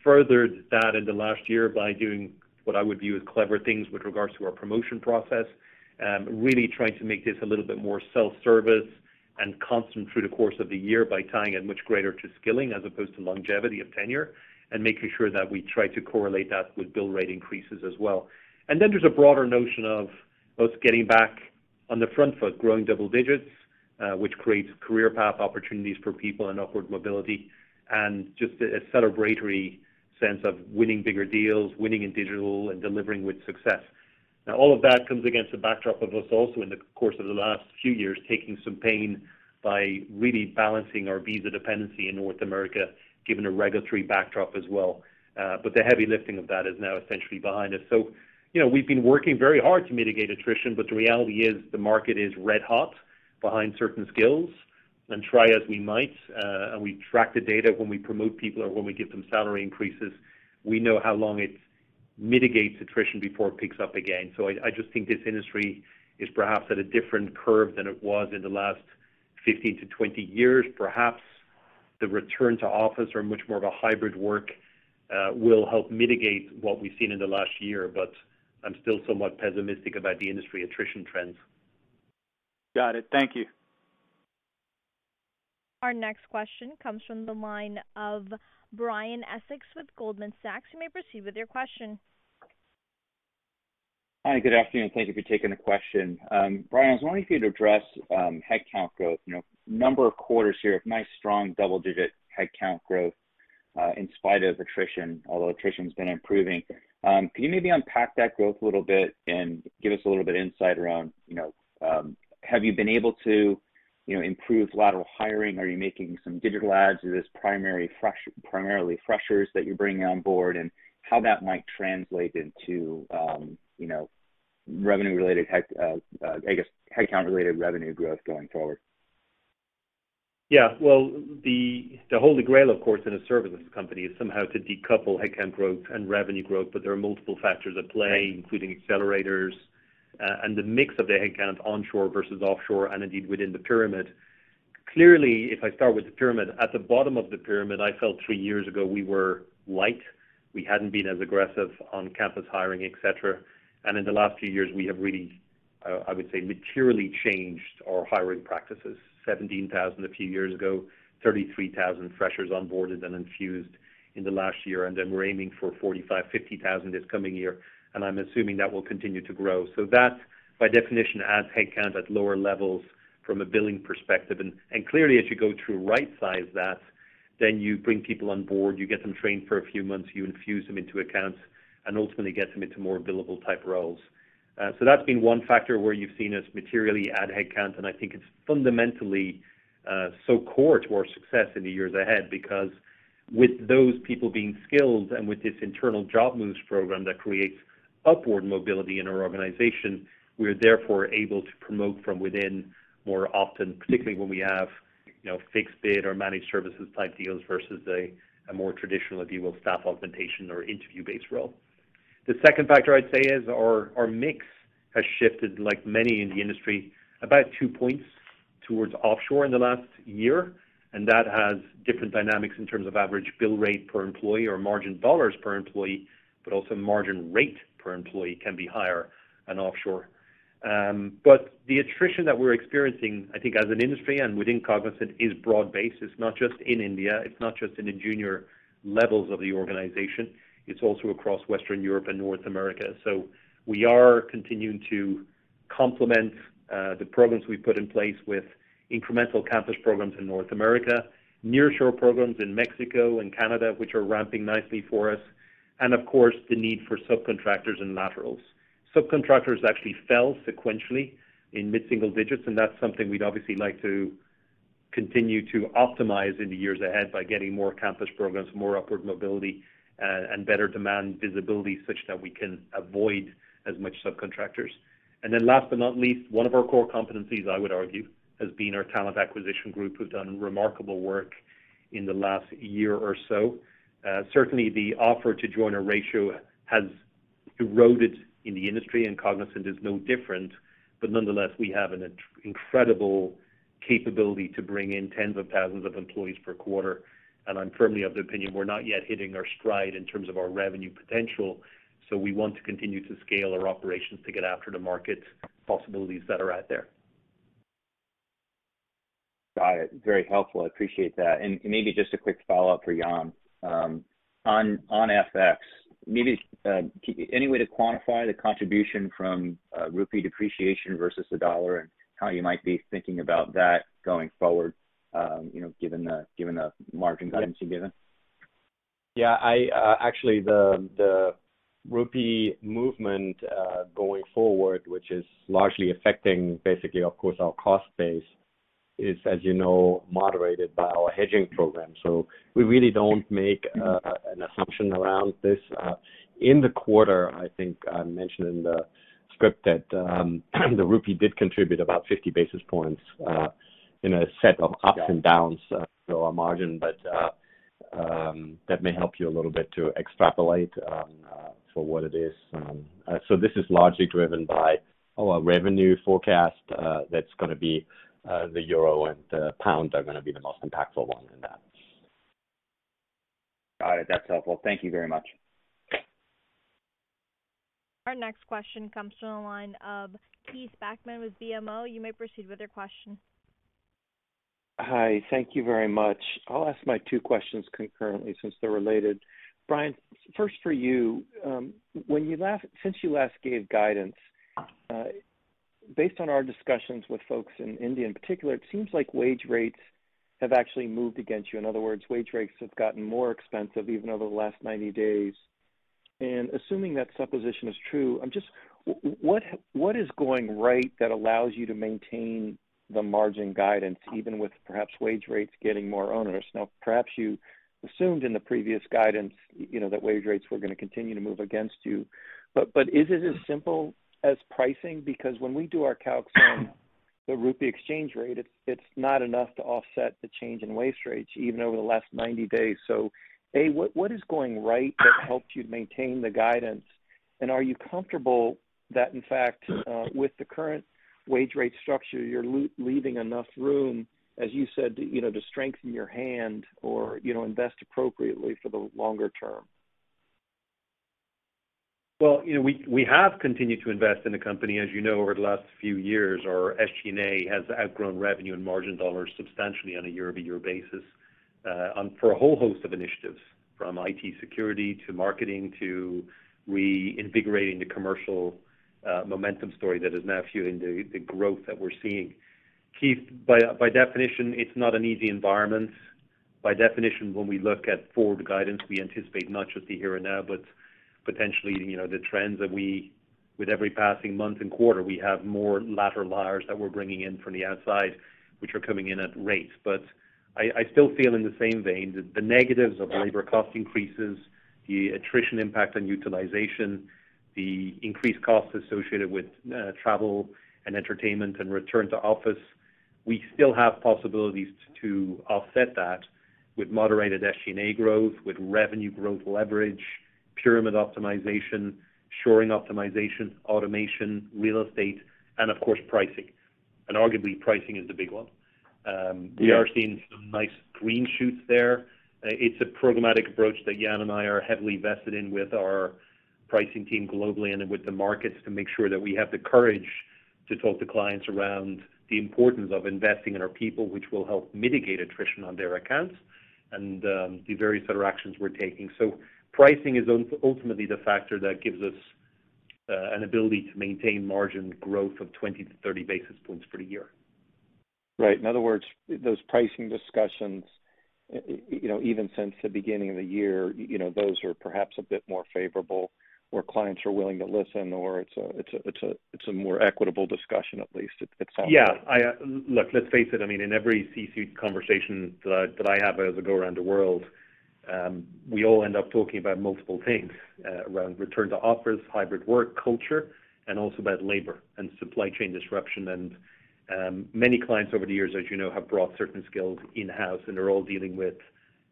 furthered that in the last year by doing what I would view as clever things with regards to our promotion process, really trying to make this a little bit more self-service and constant through the course of the year by tying it much greater to skilling as opposed to longevity of tenure and making sure that we try to correlate that with bill rate increases as well. There's a broader notion of us getting back on the front foot, growing double digits, which creates career path opportunities for people and upward mobility, and just a celebratory sense of winning bigger deals, winning in digital and delivering with success. Now, all of that comes against the backdrop of us also, in the course of the last few years, taking some pain by really balancing our visa dependency in North America, given a regulatory backdrop as well. But the heavy lifting of that is now essentially behind us. You know, we've been working very hard to mitigate attrition, but the reality is the market is red-hot behind certain skills. Try as we might, and we track the data when we promote people or when we give them salary increases, we know how long it mitigates attrition before it picks up again. I just think this industry is perhaps at a different curve than it was in the last 15-20 years. Perhaps the return to office or much more of a hybrid work will help mitigate what we've seen in the last year, but I'm still somewhat pessimistic about the industry attrition trends. Got it. Thank you. Our next question comes from the line of Brian Essex with Goldman Sachs. You may proceed with your question. Hi. Good afternoon. Thank you for taking the question. Brian, I was wondering if you'd address headcount growth. You know, number of quarters here of nice, strong double-digit headcount growth in spite of attrition, although attrition's been improving. Can you maybe unpack that growth a little bit and give us a little bit insight around, you know, have you been able to, you know, improve lateral hiring? Are you making some digital adds? Are primarily freshers that you're bringing on board, and how that might translate into, you know, revenue related head, I guess, headcount related revenue growth going forward? Yeah. Well, the Holy Grail, of course, in a services company is somehow to decouple headcount growth and revenue growth, but there are multiple factors at play, including accelerators, and the mix of the headcount onshore versus offshore, and indeed within the pyramid. Clearly, if I start with the pyramid, at the bottom of the pyramid, I felt three years ago we were light. We hadn't been as aggressive on campus hiring, et cetera. In the last few years, we have really, I would say, materially changed our hiring practices. 17,000 a few years ago, 33,000 freshers onboarded and infused in the last year, and then we're aiming for 45,000-50,000 this coming year, and I'm assuming that will continue to grow. That, by definition, adds headcount at lower levels from a billing perspective. Clearly, as you go through rightsize that, then you bring people on board, you get them trained for a few months, you infuse them into accounts and ultimately get them into more billable type roles. That's been one factor where you've seen us materially add headcount, and I think it's fundamentally so core to our success in the years ahead because with those people being skilled and with this internal job moves program that creates upward mobility in our organization, we are therefore able to promote from within more often, particularly when we have, you know, fixed bid or managed services type deals versus a more traditional, if you will, staff augmentation or interview-based role. The second factor I'd say is our mix has shifted, like many in the industry, about 2 points towards offshore in the last year, and that has different dynamics in terms of average bill rate per employee or margin dollars per employee, but also margin rate per employee can be higher on offshore. The attrition that we're experiencing, I think as an industry and within Cognizant, is broad-based. It's not just in India, it's not just in the junior levels of the organization, it's also across Western Europe and North America. We are continuing to complement the programs we've put in place with incremental campus programs in North America, nearshore programs in Mexico and Canada, which are ramping nicely for us, and of course, the need for subcontractors and laterals. Subcontractors actually fell sequentially in mid-single digits, and that's something we'd obviously like to continue to optimize in the years ahead by getting more campus programs, more upward mobility, and better demand visibility such that we can avoid as much subcontractors. Last but not least, one of our core competencies, I would argue, has been our talent acquisition group, who've done remarkable work in the last year or so. Certainly the offer-to-join ratio has eroded in the industry, and Cognizant is no different. Nonetheless, we have an incredible capability to bring in tens of thousands of employees per quarter, and I'm firmly of the opinion we're not yet hitting our stride in terms of our revenue potential, so we want to continue to scale our operations to get after the market possibilities that are out there. Got it. Very helpful. I appreciate that. Maybe just a quick follow-up for Jan Siegmund. On FX, maybe any way to quantify the contribution from rupee depreciation versus the dollar and how you might be thinking about that going forward, you know, given the margin guidance you've given? Yeah. I actually, the rupee movement going forward, which is largely affecting basically, of course, our cost base is, as you know, moderated by our hedging program. We really don't make an assumption around this. In the quarter, I think I mentioned in the script that the rupee did contribute about 50 basis points in a set of ups and downs for our margin. That may help you a little bit to extrapolate for what it is. This is largely driven by our revenue forecast, that's gonna be, the euro and the pound are gonna be the most impactful one in that. Got it. That's helpful. Thank you very much. Our next question comes from the line of Keith Bachman with BMO. You may proceed with your question. Hi. Thank you very much. I'll ask my 2 questions concurrently since they're related. Brian, first for you. Since you last gave guidance, based on our discussions with folks in India in particular, it seems like wage rates have actually moved against you. In other words, wage rates have gotten more expensive even over the last 90 days. Assuming that supposition is true, I'm just what is going right that allows you to maintain the margin guidance even with perhaps wage rates getting more onerous? Now, perhaps you assumed in the previous guidance, you know, that wage rates were gonna continue to move against you, but is it as simple as pricing? Because when we do our calcs on the rupee exchange rate, it's not enough to offset the change in wage rates even over the last 90 days. A, what is going right that helps you to maintain the guidance? And are you comfortable that in fact, with the current wage rate structure, you're leaving enough room, as you said, you know, to strengthen your hand or, you know, invest appropriately for the longer term? Well, you know, we have continued to invest in the company, as you know, over the last few years. Our SG&A has outgrown revenue and margin dollars substantially on a year-over-year basis, and for a whole host of initiatives, from IT security to marketing to reinvigorating the commercial momentum story that is now fueling the growth that we're seeing. Keith, by definition, it's not an easy environment. By definition, when we look at forward guidance, we anticipate not just the here and now, but potentially, you know, the trends that, with every passing month and quarter, we have more lateral hires that we're bringing in from the outside, which are coming in at rates. I still feel in the same vein that the negatives of labor cost increases, the attrition impact on utilization, the increased costs associated with travel and entertainment and return to office, we still have possibilities to offset that with moderated SG&A growth, with revenue growth leverage, pyramid optimization, shoring optimization, automation, real estate, and of course, pricing. Arguably, pricing is the big one. We are seeing some nice green shoots there. It's a programmatic approach that Jan and I are heavily vested in with our pricing team globally and then with the markets to make sure that we have the courage to talk to clients around the importance of investing in our people, which will help mitigate attrition on their accounts and the various other actions we're taking. Pricing is ultimately the factor that gives us an ability to maintain margin growth of 20-30 basis points for the year. Right. In other words, those pricing discussions, you know, even since the beginning of the year, you know, those are perhaps a bit more favorable, where clients are willing to listen or it's a more equitable discussion, at least it sounds like. Yeah. I look, let's face it, I mean, in every C-suite conversation that I have as I go around the world, we all end up talking about multiple things around return to office, hybrid work culture, and also about labor and supply chain disruption. Many clients over the years, as you know, have brought certain skills in-house, and they're all dealing with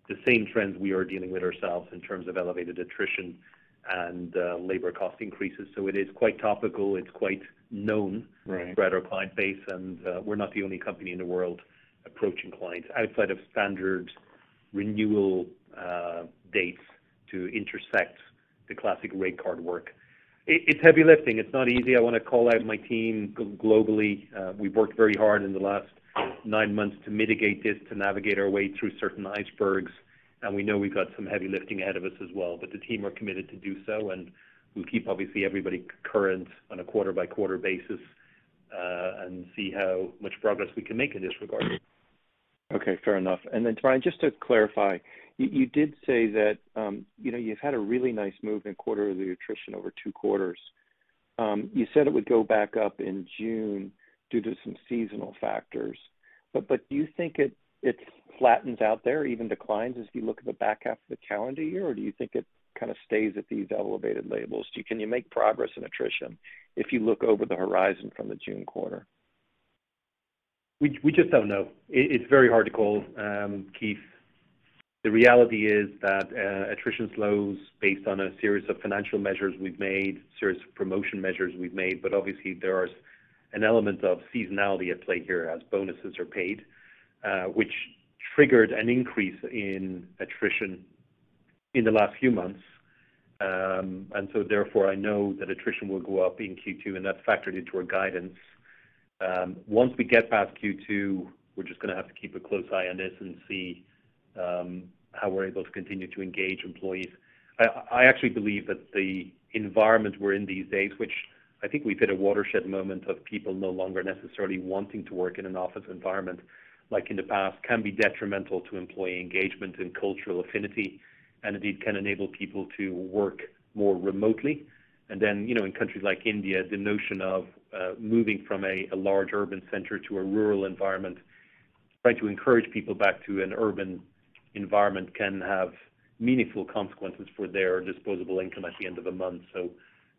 the same trends we are dealing with ourselves in terms of elevated attrition and labor cost increases. It is quite topical, it's quite known. Right. Throughout our client base, and, we're not the only company in the world approaching clients outside of standard. Renewal dates to intersect the classic rate card work. It's heavy lifting. It's not easy. I wanna call out my team globally. We've worked very hard in the last nine months to mitigate this, to navigate our way through certain icebergs, and we know we've got some heavy lifting ahead of us as well. The team are committed to do so, and we'll keep, obviously, everybody current on a quarter-by-quarter basis, and see how much progress we can make in this regard. Okay, fair enough. Then, Brian, just to clarify, you did say that you've had a really nice move in quarter of the attrition over two quarters. You said it would go back up in June due to some seasonal factors. Do you think it's flattened out there, even declines as you look at the back half of the calendar year? Or do you think it kinda stays at these elevated levels? Can you make progress in attrition if you look over the horizon from the June quarter? We just don't know. It's very hard to call, Keith. The reality is that attrition slows based on a series of financial measures we've made, series of promotion measures we've made. Obviously, there is an element of seasonality at play here as bonuses are paid, which triggered an increase in attrition in the last few months. Therefore, I know that attrition will go up in Q2, and that's factored into our guidance. Once we get past Q2, we're just gonna have to keep a close eye on this and see how we're able to continue to engage employees. I actually believe that the environment we're in these days, which I think we've hit a watershed moment of people no longer necessarily wanting to work in an office environment like in the past, can be detrimental to employee engagement and cultural affinity, and indeed can enable people to work more remotely. You know, in countries like India, the notion of moving from a large urban center to a rural environment, trying to encourage people back to an urban environment can have meaningful consequences for their disposable income at the end of the month.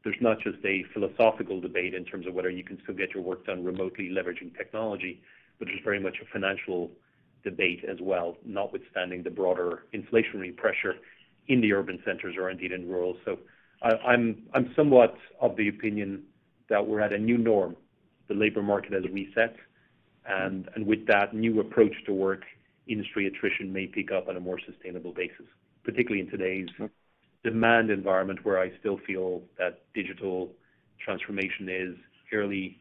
There's not just a philosophical debate in terms of whether you can still get your work done remotely leveraging technology, but there's very much a financial debate as well, notwithstanding the broader inflationary pressure in the urban centers or indeed in rural. I'm somewhat of the opinion that we're at a new norm. The labor market has reset, and with that new approach to work, industry attrition may pick up on a more sustainable basis, particularly in today's demand environment, where I still feel that digital transformation is fairly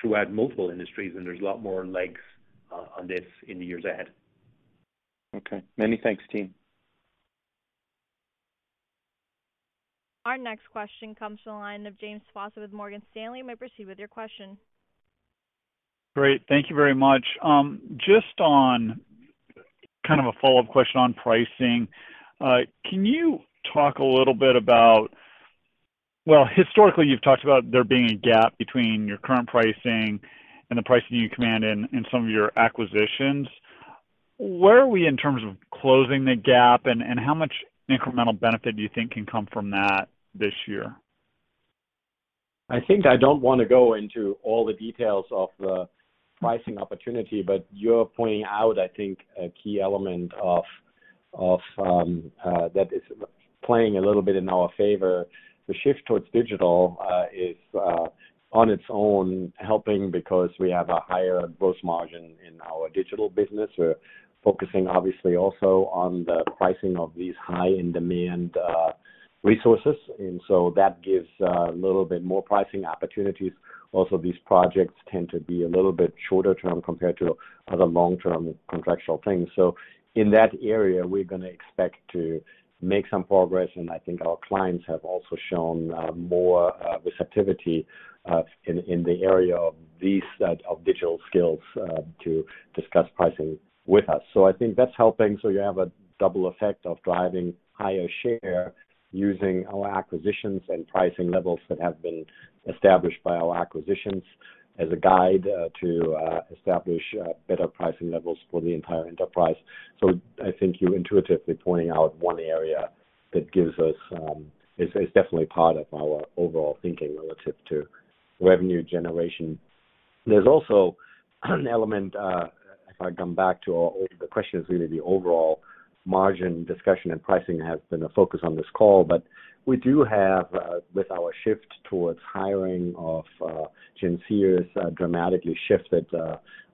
throughout multiple industries, and there's a lot more legs on this in the years ahead. Okay. Many thanks, team. Our next question comes from the line of James Faucette with Morgan Stanley. You may proceed with your question. Great. Thank you very much. Just on kind of a follow-up question on pricing. Can you talk a little bit about well, historically, you've talked about there being a gap between your current pricing and the pricing you command in some of your acquisitions. Where are we in terms of closing the gap, and how much incremental benefit do you think can come from that this year? I think I don't wanna go into all the details of the pricing opportunity, but you're pointing out, I think, a key element of that is playing a little bit in our favor. The shift towards digital is on its own helping because we have a higher gross margin in our digital business. We're focusing obviously also on the pricing of these high in demand resources. That gives a little bit more pricing opportunities. Also, these projects tend to be a little bit shorter term compared to other long-term contractual things. In that area, we're gonna expect to make some progress, and I think our clients have also shown more receptivity in the area of these set of digital skills to discuss pricing with us. I think that's helping. You have a double effect of driving higher share using our acquisitions and pricing levels that have been established by our acquisitions as a guide to establish better pricing levels for the entire enterprise. I think you're intuitively pointing out one area that gives us is definitely part of our overall thinking relative to revenue generation. There's also an element, the question is really the overall margin discussion, and pricing has been a focus on this call. We do have, with our shift towards hiring of Gen Zers dramatically shifted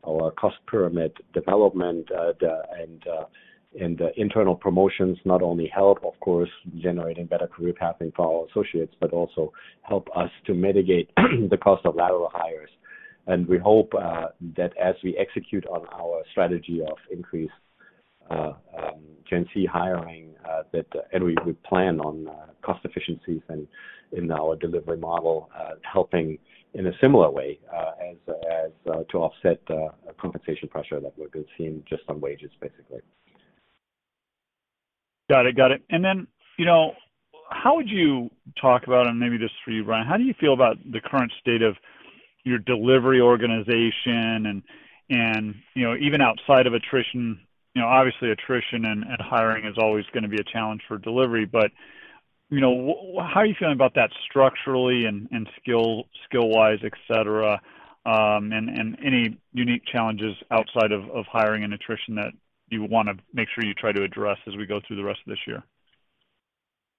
our cost pyramid development. The internal promotions not only help, of course, generating better career pathing for our associates, but also help us to mitigate the cost of lateral hires. We hope that as we execute on our strategy of increased Gen Z hiring, and we plan on cost efficiencies in our delivery model, helping in a similar way, as to offset compensation pressure that we're seeing just on wages, basically. Got it. You know, how would you talk about, and maybe this is for you, Brian, how do you feel about the current state of your delivery organization and, you know, even outside of attrition? You know, obviously attrition and hiring is always gonna be a challenge for delivery. You know, how are you feeling about that structurally and skill-wise, et cetera, and any unique challenges outside of hiring and attrition that you wanna make sure you try to address as we go through the rest of this year?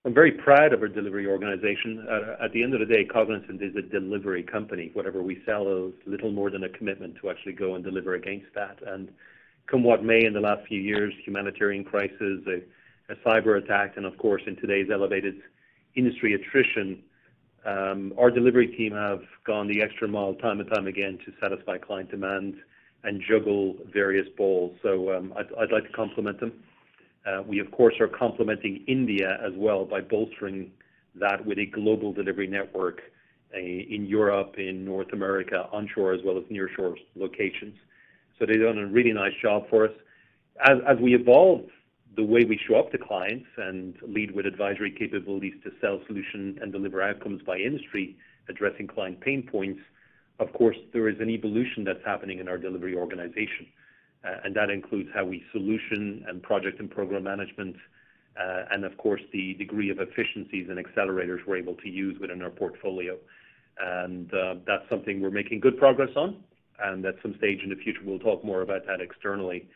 I'm very proud of our delivery organization. At the end of the day, Cognizant is a delivery company. Whatever we sell is little more than a commitment to actually go and deliver against that. Come what may in the last few years, humanitarian crisis, a cyberattack, and of course, in today's elevated industry attrition, our delivery team have gone the extra mile time and time again to satisfy client demand and juggle various balls. I'd like to compliment them. We of course are complimenting India as well by bolstering that with a global delivery network in Europe, in North America, onshore as well as nearshore locations. They've done a really nice job for us. We evolve the way we show up to clients and lead with advisory capabilities to sell solution and deliver outcomes by industry addressing client pain points. Of course, there is an evolution that's happening in our delivery organization. That includes how we solution and project and program management, and of course, the degree of efficiencies and accelerators we're able to use within our portfolio. That's something we're making good progress on, and at some stage in the future, we'll talk more about that externally.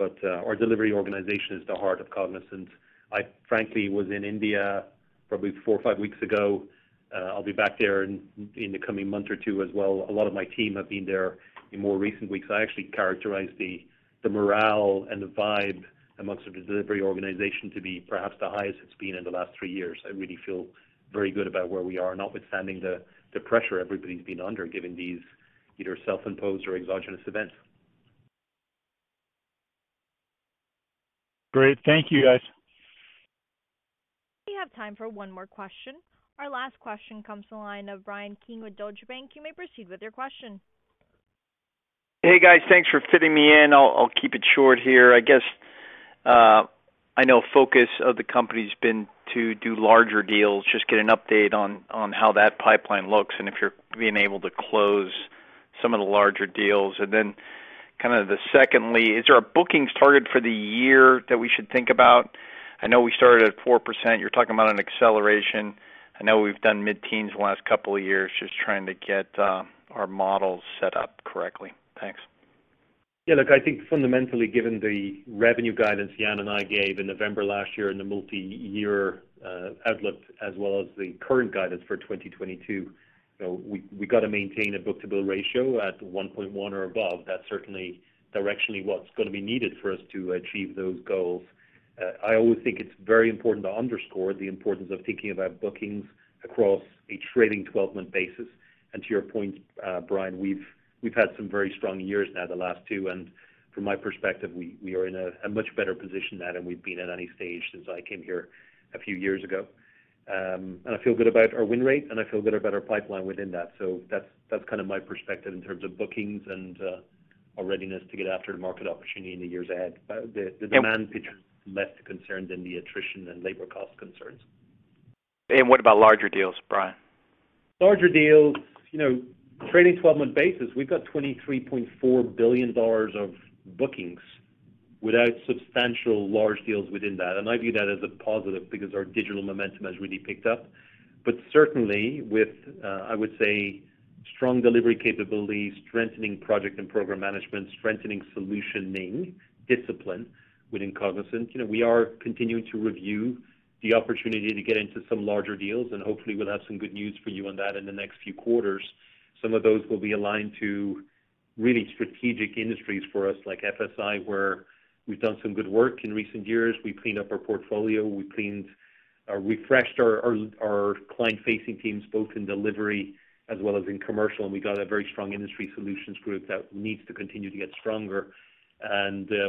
Our delivery organization is the heart of Cognizant. I frankly was in India probably four or five weeks ago. I'll be back there in the coming month or two as well. A lot of my team have been there in more recent weeks. I actually characterize the morale and the vibe amongst the delivery organization to be perhaps the highest it's been in the last three years. I really feel very good about where we are, notwithstanding the pressure everybody's been under, given these either self-imposed or exogenous events. Great. Thank you, guys. We have time for one more question. Our last question comes to the line of Bryan Keane with Deutsche Bank. You may proceed with your question. Hey, guys. Thanks for fitting me in. I'll keep it short here. I guess, I know focus of the company's been to do larger deals. Just get an update on how that pipeline looks and if you're being able to close some of the larger deals. Then kinda the secondly, is there a bookings target for the year that we should think about? I know we started at 4%. You're talking about an acceleration. I know we've done mid-teens the last couple of years. Just trying to get our models set up correctly. Thanks. Yeah, look, I think fundamentally, given the revenue guidance Jan and I gave in November last year in the multiyear outlook as well as the current guidance for 2022, you know, we gotta maintain a book-to-bill ratio at 1.1 or above. That's certainly directionally what's gonna be needed for us to achieve those goals. I always think it's very important to underscore the importance of thinking about bookings across a trailing 12 month basis. To your point, Brian, we've had some very strong years now, the last two, and from my perspective, we are in a much better position than we've been at any stage since I came here a few years ago. I feel good about our win rate, and I feel good about our pipeline within that. That's kinda my perspective in terms of bookings and our readiness to get after the market opportunity in the years ahead. The demand picture is less a concern than the attrition and labor cost concerns. What about larger deals, Brian? Larger deals, you know, trailing 12 month basis, we've got $23.4 billion of bookings without substantial large deals within that. I view that as a positive because our digital momentum has really picked up. Certainly with, I would say strong delivery capability, strengthening project and program management, strengthening solutioning discipline within Cognizant. You know, we are continuing to review the opportunity to get into some larger deals, and hopefully we'll have some good news for you on that in the next few quarters. Some of those will be aligned to really strategic industries for us, like FSI, where we've done some good work in recent years. We cleaned up our portfolio, refreshed our client-facing teams, both in delivery as well as in commercial. We got a very strong industry solutions group that needs to continue to get stronger.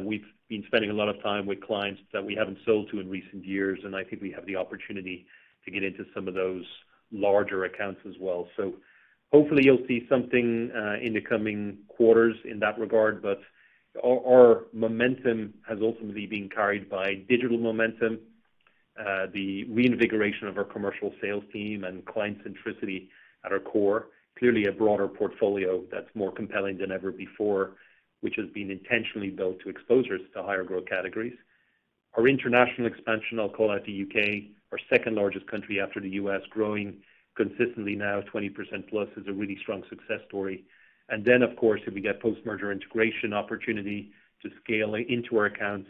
We've been spending a lot of time with clients that we haven't sold to in recent years, and I think we have the opportunity to get into some of those larger accounts as well. Hopefully you'll see something in the coming quarters in that regard. Our momentum has ultimately been carried by digital momentum, the reinvigoration of our commercial sales team and client centricity at our core. Clearly a broader portfolio that's more compelling than ever before, which has been intentionally built to expose us to higher growth categories. Our international expansion, I'll call out the U.K., our second-largest country after the U.S., growing consistently now 20%+, is a really strong success story. Of course, if we get post-merger integration opportunity to scale into our accounts,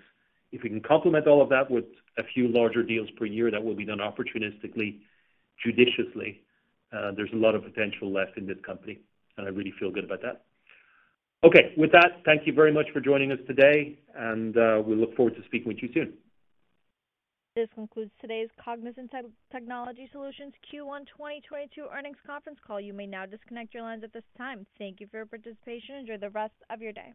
if we can complement all of that with a few larger deals per year, that will be done opportunistically, judiciously, there's a lot of potential left in this company, and I really feel good about that. Okay. With that, thank you very much for joining us today, and we look forward to speaking with you soon. This concludes today's Cognizant Technology Solutions Q1 2022 earnings conference call. You may now disconnect your lines at this time. Thank you for your participation. Enjoy the rest of your day.